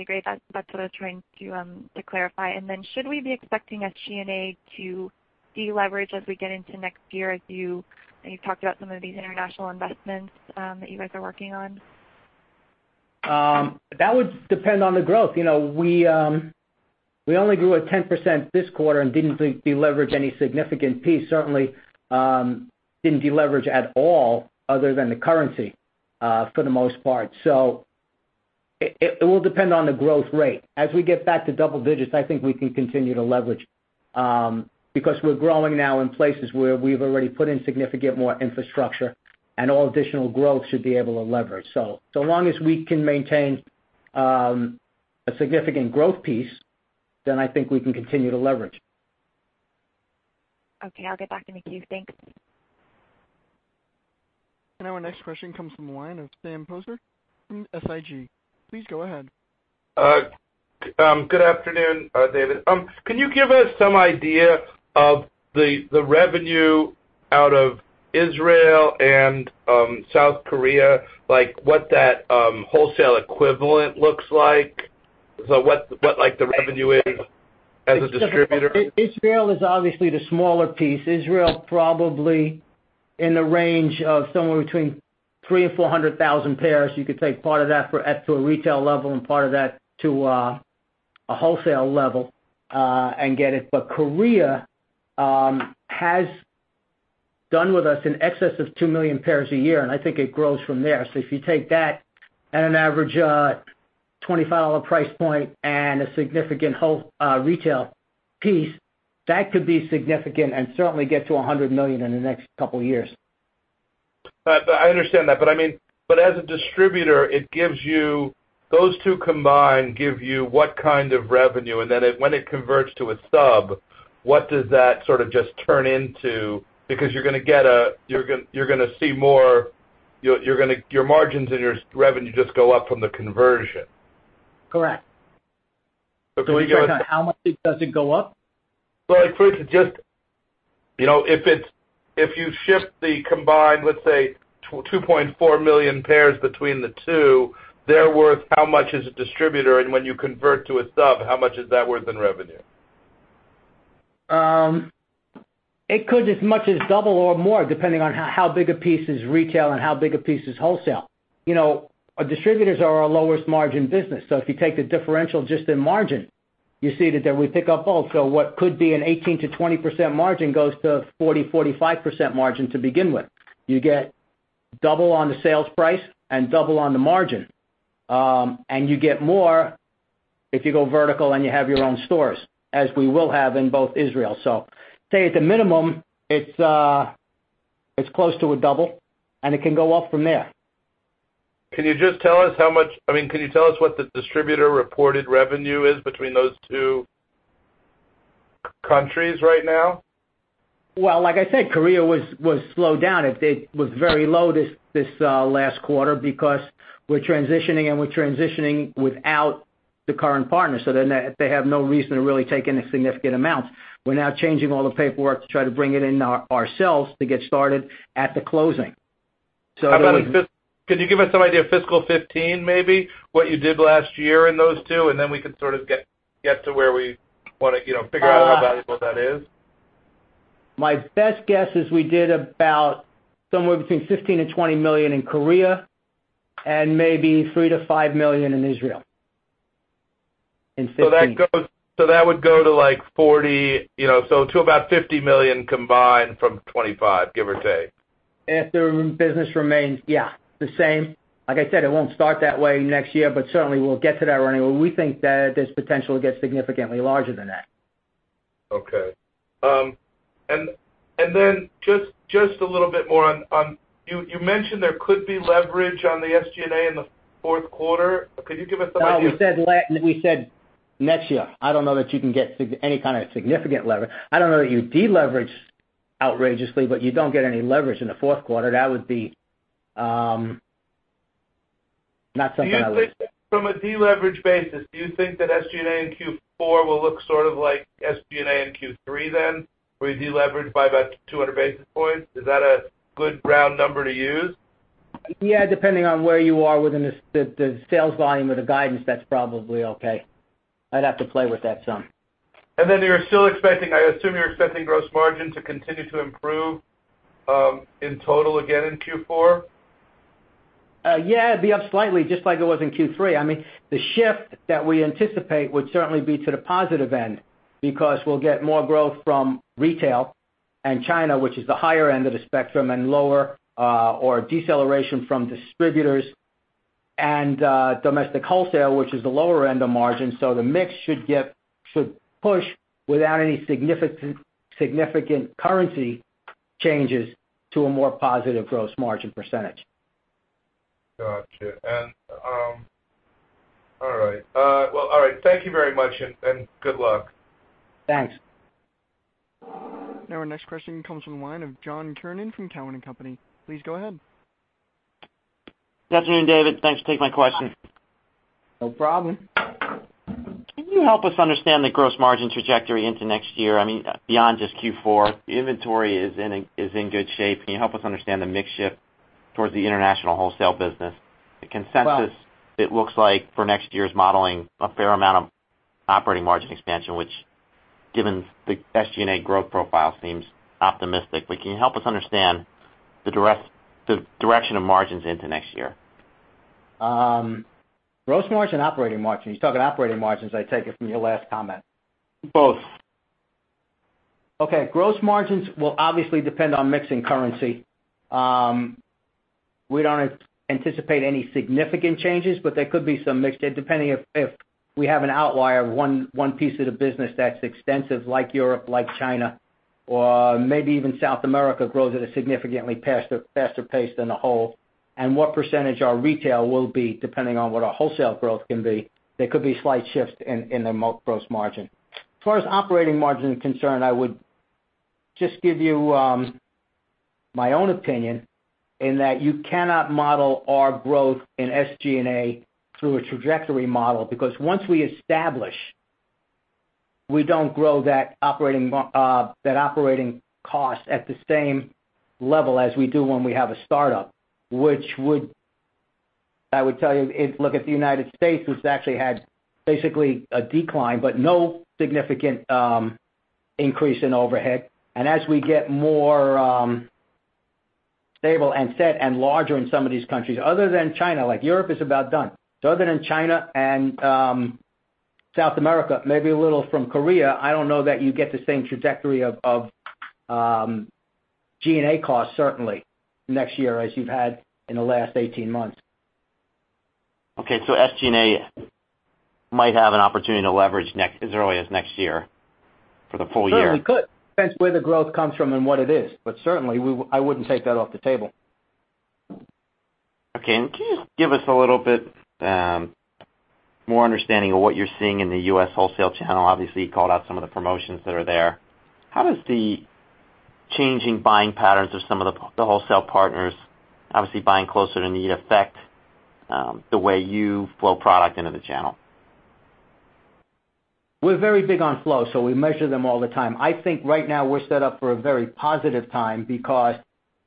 Great. That's what I was trying to clarify. Should we be expecting a G&A to deleverage as we get into next year as you've talked about some of these international investments that you guys are working on? That would depend on the growth. We only grew at 10% this quarter and didn't deleverage any significant piece. Certainly didn't deleverage at all other than the currency, for the most part. It will depend on the growth rate. As we get back to double digits, I think we can continue to leverage. We're growing now in places where we've already put in significant more infrastructure, and all additional growth should be able to leverage. As long as we can maintain a significant growth piece, then I think we can continue to leverage. Okay, I'll get back to queue. Thanks. Our next question comes from the line of Sam Poser from SIG. Please go ahead. Good afternoon, David. Can you give us some idea of the revenue out of Israel and South Korea, like what that wholesale equivalent looks like? What the revenue is as a distributor? Israel is obviously the smaller piece. Israel, probably in the range of somewhere between 300,000 and 400,000 pairs. You could take part of that for up to a retail level and part of that to a wholesale level, and get it. Korea has done with us in excess of 2 million pairs a year, and I think it grows from there. If you take that at an average $25 price point and a significant retail piece, that could be significant and certainly get to $100 million in the next couple of years. I understand that. As a distributor, those two combined give you what kind of revenue? When it converts to a sub, what does that sort of just turn into? You're going to see more, your margins and your revenue just go up from the conversion. Correct. Can we get? Are you talking how much does it go up? If you shift the combined, let's say, 2.4 million pairs between the two, they're worth how much as a distributor? When you convert to a sub, how much is that worth in revenue? It could as much as double or more, depending on how big a piece is retail and how big a piece is wholesale. Distributors are our lowest margin business. If you take the differential just in margin, you see that we pick up both. What could be an 18%-20% margin goes to 40%-45% margin to begin with. You get double on the sales price and double on the margin. You get more if you go vertical and you have your own stores, as we will have in both Israel. Say at the minimum, it's close to a double, and it can go up from there. Can you tell us what the distributor-reported revenue is between those two countries right now? Well, like I said, Korea was slowed down. It was very low this last quarter because we're transitioning, and we're transitioning without the current partner, they have no reason to really take any significant amounts. We're now changing all the paperwork to try to bring it in ourselves to get started at the closing. Could you give us some idea of fiscal 2015, maybe? What you did last year in those two, and then we can sort of get to where we want to figure out how valuable that is. My best guess is we did about somewhere between $15 million-$20 million in Korea, and maybe $3 million-$5 million in Israel, in 2015. That would go to about $50 million combined from $25, give or take. If the business remains, yeah, the same. Like I said, it won't start that way next year, but certainly we'll get to that running, where we think that there's potential to get significantly larger than that. Okay. Just a little bit more. You mentioned there could be leverage on the SG&A in the fourth quarter. Could you give us some idea? No, we said next year. I don't know that you can get any kind of significant leverage. I don't know that you deleverage outrageously, but you don't get any leverage in the fourth quarter. From a deleverage basis, do you think that SG&A in Q4 will look sort of like SG&A in Q3 then, where you deleverage by about 200 basis points? Is that a good round number to use? Yeah, depending on where you are within the sales volume or the guidance, that's probably okay. I'd have to play with that some. I assume you're expecting gross margin to continue to improve, in total again in Q4? Yeah, it'd be up slightly, just like it was in Q3. The shift that we anticipate would certainly be to the positive end, because we'll get more growth from retail and China, which is the higher end of the spectrum, and lower or deceleration from distributors and domestic wholesale, which is the lower end of margin. The mix should push without any significant currency changes to a more positive gross margin percentage. Got you. All right. Thank you very much, and good luck. Thanks. Our next question comes from the line of John Kernan from Cowen and Company. Please go ahead. Good afternoon, David. Thanks for taking my question. No problem. Can you help us understand the gross margin trajectory into next year, beyond just Q4? The inventory is in good shape. Can you help us understand the mix shift towards the international wholesale business? The consensus, it looks like for next year's modeling, a fair amount of operating margin expansion, which, given the SG&A growth profile, seems optimistic. Can you help us understand the direction of margins into next year? Gross margin, operating margin. You're talking operating margins, I take it, from your last comment. Both. Okay. Gross margins will obviously depend on mix and currency. We don't anticipate any significant changes, but there could be some mix there, depending if we have an outlier, one piece of the business that's extensive, like Europe, like China, or maybe even South America grows at a significantly faster pace than the whole, and what percentage our retail will be, depending on what our wholesale growth can be. There could be slight shifts in the gross margin. As far as operating margin is concerned, I would just give you my own opinion, in that you cannot model our growth in SG&A through a trajectory model. Once we establish, we don't grow that operating cost at the same level as we do when we have a startup. Which would, I would tell you, look at the United States, which actually had basically a decline, but no significant increase in overhead. As we get more stable and set and larger in some of these countries, other than China. Europe is about done. Other than China and South America, maybe a little from Korea, I don't know that you get the same trajectory of G&A costs certainly next year as you've had in the last 18 months. Okay, SG&A might have an opportunity to leverage as early as next year for the full year. Certainly could. Depends where the growth comes from and what it is. Certainly, I wouldn't take that off the table. Okay. Can you just give us a little bit more understanding of what you're seeing in the U.S. wholesale channel? Obviously, you called out some of the promotions that are there. How does the changing buying patterns of some of the wholesale partners, obviously buying closer to need, affect the way you flow product into the channel? We're very big on flow, we measure them all the time. I think right now we're set up for a very positive time because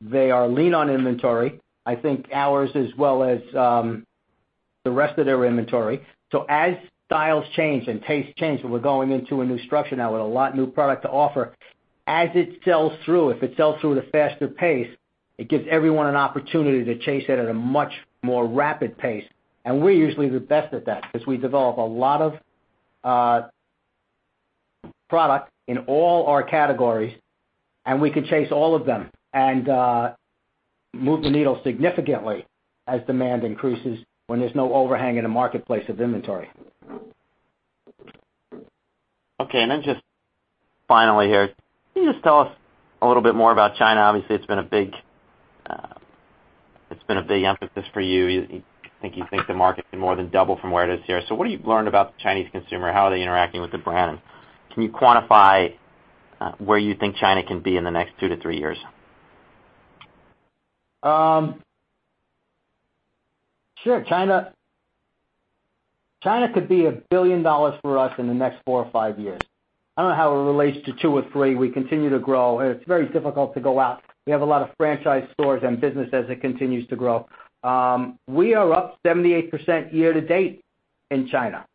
they are lean on inventory. I think ours as well as the rest of their inventory. As styles change and tastes change, and we're going into a new structure now with a lot new product to offer. As it sells through, if it sells through at a faster pace, it gives everyone an opportunity to chase it at a much more rapid pace. We're usually the best at that because we develop a lot of product in all our categories, and we can chase all of them and move the needle significantly as demand increases when there's no overhang in a marketplace of inventory. Okay. Just finally here, can you just tell us a little bit more about China? Obviously it's been a big emphasis for you. I think you think the market can more than double from where it is here. What have you learned about the Chinese consumer? How are they interacting with the brand? Can you quantify where you think China can be in the next 2-3 years? Sure. China could be a billion dollars for us in the next 4-5 years. I don't know how it relates to 2-3. We continue to grow. It's very difficult to go out. We have a lot of franchise stores and business as it continues to grow. We are up 78% year-to-date in China.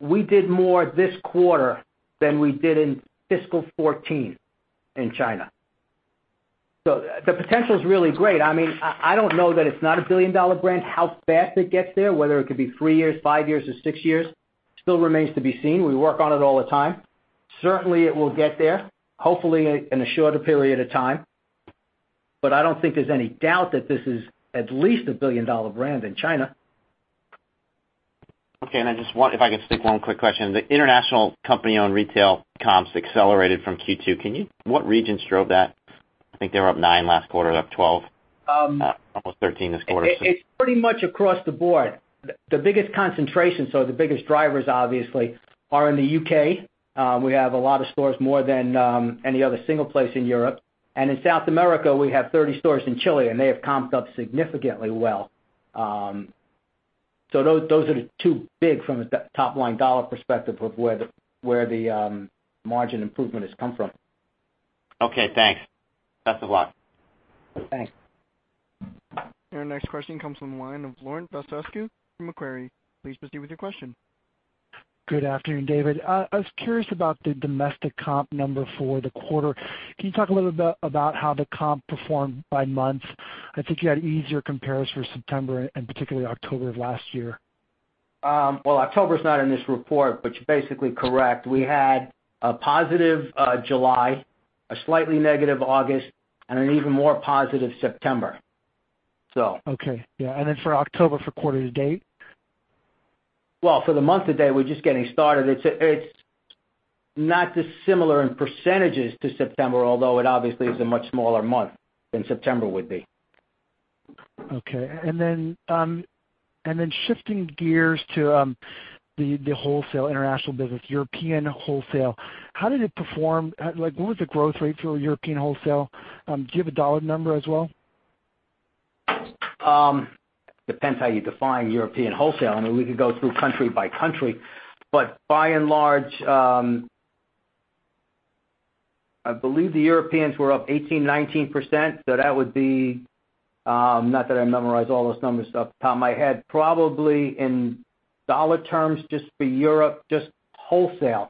We did more this quarter than we did in fiscal 2014 in China. The potential's really great. I don't know that it's not a billion-dollar brand. How fast it gets there, whether it could be 3 years, 5 years, or 6 years, still remains to be seen. We work on it all the time. Certainly, it will get there, hopefully in a shorter period of time. I don't think there's any doubt that this is at least a billion-dollar brand in China. Okay. If I could sneak one quick question. The international company-owned retail comps accelerated from Q2. What regions drove that? I think they were up nine last quarter, up 12, almost 13 this quarter. It's pretty much across the board. The biggest concentration, the biggest drivers obviously, are in the U.K. We have a lot of stores, more than any other single place in Europe. In South America, we have 30 stores in Chile, and they have comped up significantly well. Those are the two big from a top line $ perspective of where the margin improvement has come from. Okay, thanks. Best of luck. Thanks. Your next question comes from the line of Laurent Vasilescu from Macquarie. Please proceed with your question. Good afternoon, David. I was curious about the domestic comp number for the quarter. Can you talk a little bit about how the comp performed by month? I think you had easier comparisons for September and particularly October of last year. October's not in this report, you're basically correct. We had a positive July, a slightly negative August, and an even more positive September. Okay. Yeah, for October for quarter to date? For the month to date, we're just getting started. It's not dissimilar in percentages to September, although it obviously is a much smaller month than September would be. Okay. Shifting gears to the wholesale international business, European wholesale. How did it perform? What was the growth rate for European wholesale? Do you have a dollar number as well? Depends how you define European wholesale. We could go through country by country. By and large, I believe the Europeans were up 18%, 19%. That would be, not that I memorize all those numbers off the top of my head, probably in dollar terms, just for Europe, just wholesale,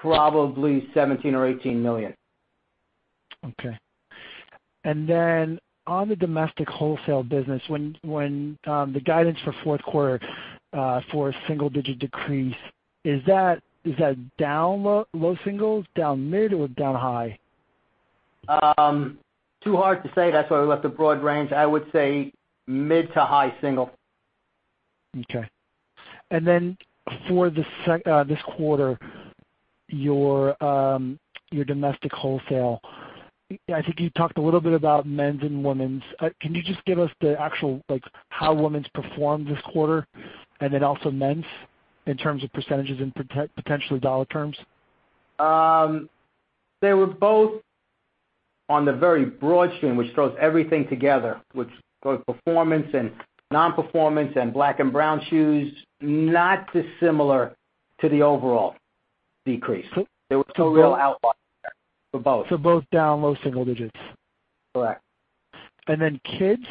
probably $17 million or $18 million. Okay. On the domestic wholesale business, when the guidance for fourth quarter for a single-digit decrease, is that down low singles, down mid, or down high? Too hard to say. That's why we left a broad range. I would say mid to high single. Okay. For this quarter, your domestic wholesale, I think you talked a little bit about men's and women's. Can you just give us the actual, how women's performed this quarter and then also men's in terms of percentages and potentially dollar terms? They were both on the very broad stream, which throws everything together, both performance and non-performance and black and brown shoes, not dissimilar to the overall decrease. There were some real outliers there for both. Both down low single digits. Correct. Kids?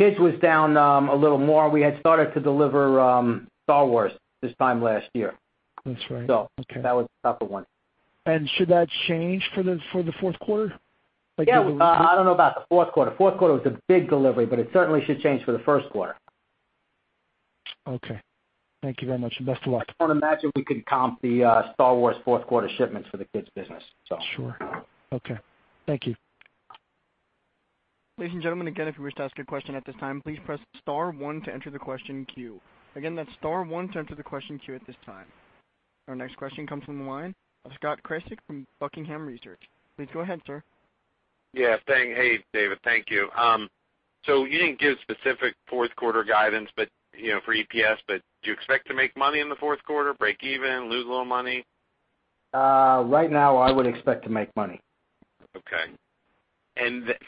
Kids was down a little more. We had started to deliver Star Wars this time last year. That's right. Okay. That was the other one. Should that change for the fourth quarter? Yeah. I don't know about the fourth quarter. Fourth quarter was a big delivery, but it certainly should change for the first quarter. Okay. Thank you very much, and best of luck. I don't imagine we could comp the Star Wars fourth quarter shipments for the kids business. Sure. Okay. Thank you. Ladies and gentlemen, again, if you wish to ask a question at this time, please press star one to enter the question queue. Again, that's star one to enter the question queue at this time. Our next question comes from the line of Scott Krasik from Buckingham Research. Please go ahead, sir. Yeah, thanks. Hey, David. Thank you. You didn't give specific fourth quarter guidance for EPS, but do you expect to make money in the fourth quarter, break even, lose a little money? Right now, I would expect to make money. Okay.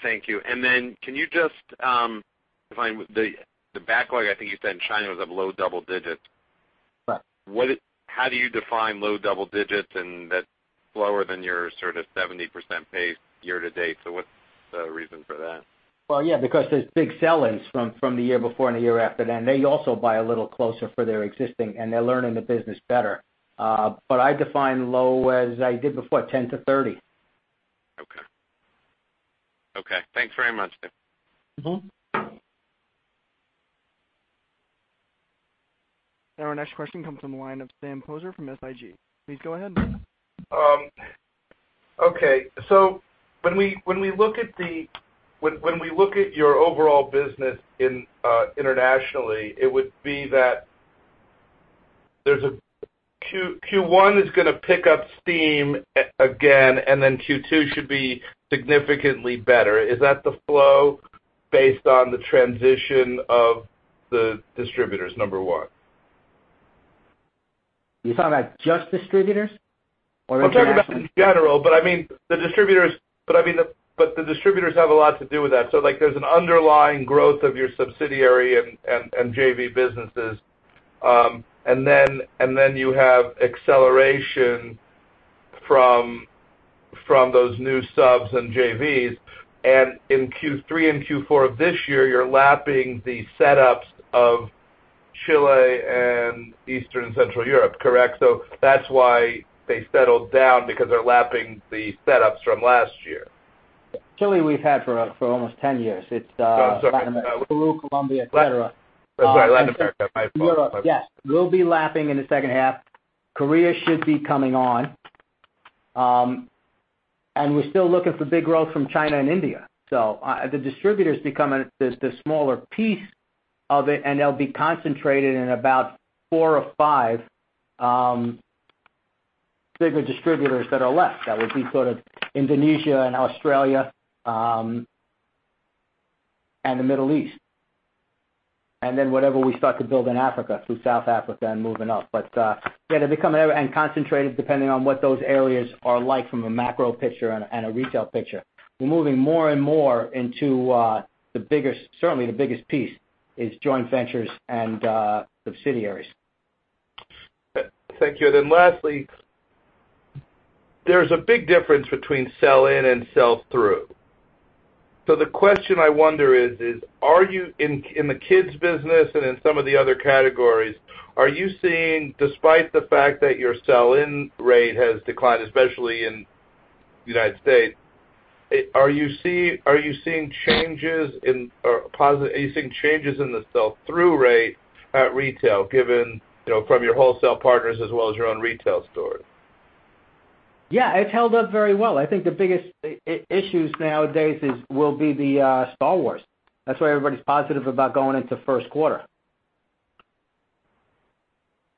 Thank you. Can you just define the backlog. I think you said in China was up low double digits. Right. How do you define low double digits and that's lower than your sort of 70% pace year to date? What's the reason for that? Well, yeah, because there's big sell-ins from the year before and the year after then. They also buy a little closer for their existing, and they're learning the business better. I define low as I did before, 10-30. Okay. Thanks very much, David. Our next question comes from the line of Sam Poser from SIG. Please go ahead. Okay. When we look at your overall business internationally, it would be that Q1 is going to pick up steam again, and then Q2 should be significantly better. Is that the flow based on the transition of the distributors, number one? You're talking about just distributors or internationally? I'm talking about in general, but the distributors have a lot to do with that. There's an underlying growth of your subsidiary and JV businesses. Then you have acceleration from those new subs and JVs. In Q3 and Q4 of this year, you're lapping the setups of Chile and Eastern Central Europe, correct? That's why they settled down because they're lapping the setups from last year. Chile we've had for almost 10 years. No, I'm sorry Latin America, Peru, Colombia, et cetera. That's right. Latin America. My fault. Europe. Yes. We'll be lapping in the second half. Korea should be coming on. We're still looking for big growth from China and India. The distributors become this smaller piece of it, and they'll be concentrated in about four or five bigger distributors that are left. That would be sort of Indonesia and Australia, and the Middle East. Then whatever we start to build in Africa, through South Africa and moving up. Yeah, they become concentrated depending on what those areas are like from a macro picture and a retail picture. We're moving more and more into certainly the biggest piece is joint ventures and subsidiaries. Thank you. Lastly, there's a big difference between sell-in and sell-through. The question I wonder is, are you in the kids business and in some of the other categories, are you seeing, despite the fact that your sell-in rate has declined, especially in the U.S., are you seeing changes in the sell-through rate at retail, from your wholesale partners as well as your own retail stores? Yeah, it's held up very well. I think the biggest issues nowadays will be the Star Wars. That's why everybody's positive about going into first quarter.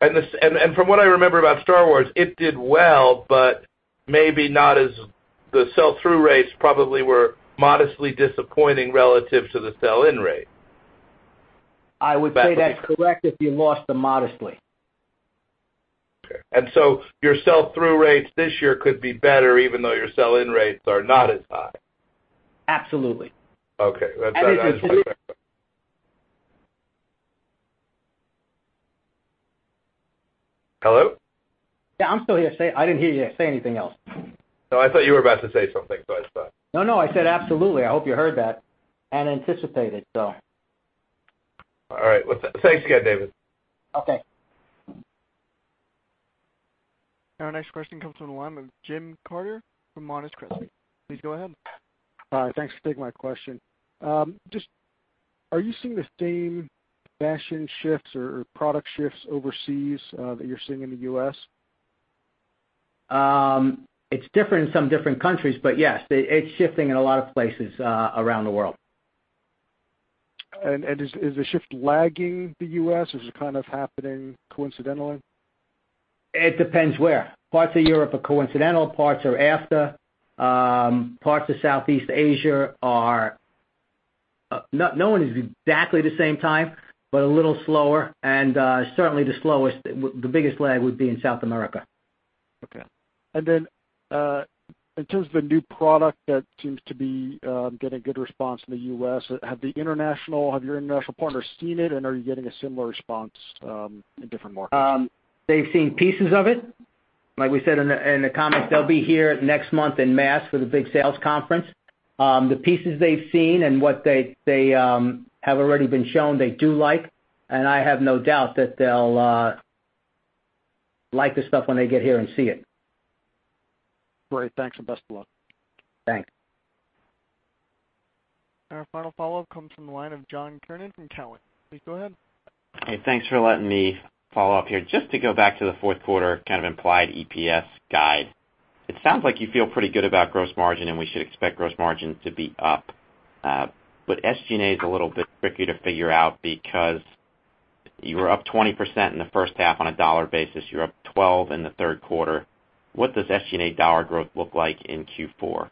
From what I remember about Star Wars, it did well, but maybe the sell-through rates probably were modestly disappointing relative to the sell-in rate. I would say that's correct if you lost the modestly. Okay. Your sell-through rates this year could be better even though your sell-in rates are not as high. Absolutely. Okay. That's what I was. anticipated. Hello? Yeah, I'm still here. I didn't hear you say anything else. No, I thought you were about to say something, so I stopped. No, I said absolutely. I hope you heard that and anticipated so All right. Thanks again, David. Okay. Our next question comes from the line of Jim Chartier from Monness, Crespi. Please go ahead. Thanks for taking my question. Are you seeing the same fashion shifts or product shifts overseas that you're seeing in the U.S.? It's different in some different countries. Yes, it's shifting in a lot of places around the world. Is the shift lagging the U.S., or is it kind of happening coincidentally? It depends where. Parts of Europe are coincidental, parts are after. Parts of Southeast Asia are, no one is exactly the same time, but a little slower. Certainly the slowest, the biggest lag would be in South America. Okay. Then in terms of the new product that seems to be getting good response in the U.S., have your international partners seen it, are you getting a similar response in different markets? They've seen pieces of it. Like we said in the comments, they'll be here next month en masse for the big sales conference. The pieces they've seen and what they have already been shown, they do like, I have no doubt that they'll like the stuff when they get here and see it. Great. Thanks, best of luck. Thanks. Our final follow-up comes from the line of John Kernan from Cowen. Please go ahead. Hey, thanks for letting me follow up here. Just to go back to the fourth quarter kind of implied EPS guide. It sounds like you feel pretty good about gross margin, and we should expect gross margin to be up. SG&A is a little bit trickier to figure out because you were up 20% in the first half on a dollar basis. You're up 12 in the third quarter. What does SG&A dollar growth look like in Q4?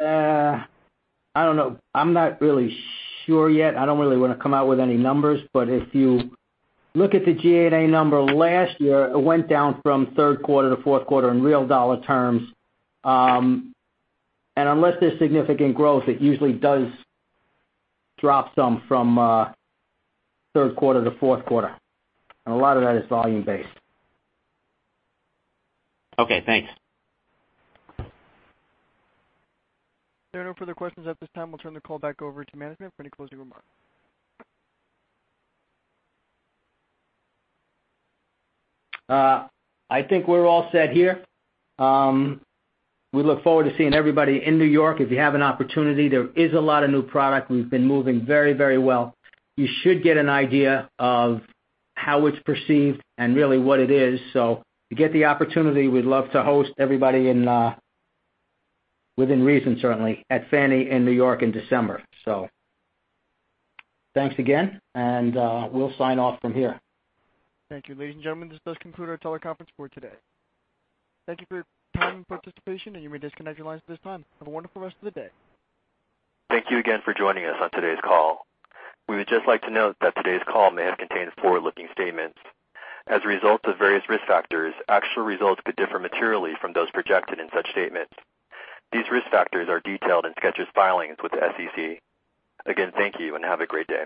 I don't know. I'm not really sure yet. I don't really want to come out with any numbers, if you look at the G&A number last year, it went down from third quarter to fourth quarter in real dollar terms. Unless there's significant growth, it usually does drop some from third quarter to fourth quarter, and a lot of that is volume-based. Okay, thanks. There are no further questions at this time. We'll turn the call back over to management for any closing remarks. I think we're all set here. We look forward to seeing everybody in New York if you have an opportunity. There is a lot of new product. We've been moving very well. You should get an idea of how it's perceived and really what it is. If you get the opportunity, we'd love to host everybody within reason, certainly, at FFANY in New York in December. Thanks again, and we'll sign off from here. Thank you. Ladies and gentlemen, this does conclude our teleconference for today. Thank you for your time and participation, and you may disconnect your lines at this time. Have a wonderful rest of the day. Thank you again for joining us on today's call. We would just like to note that today's call may have contained forward-looking statements. As a result of various risk factors, actual results could differ materially from those projected in such statements. These risk factors are detailed in Skechers' filings with the SEC. Again, thank you and have a great day.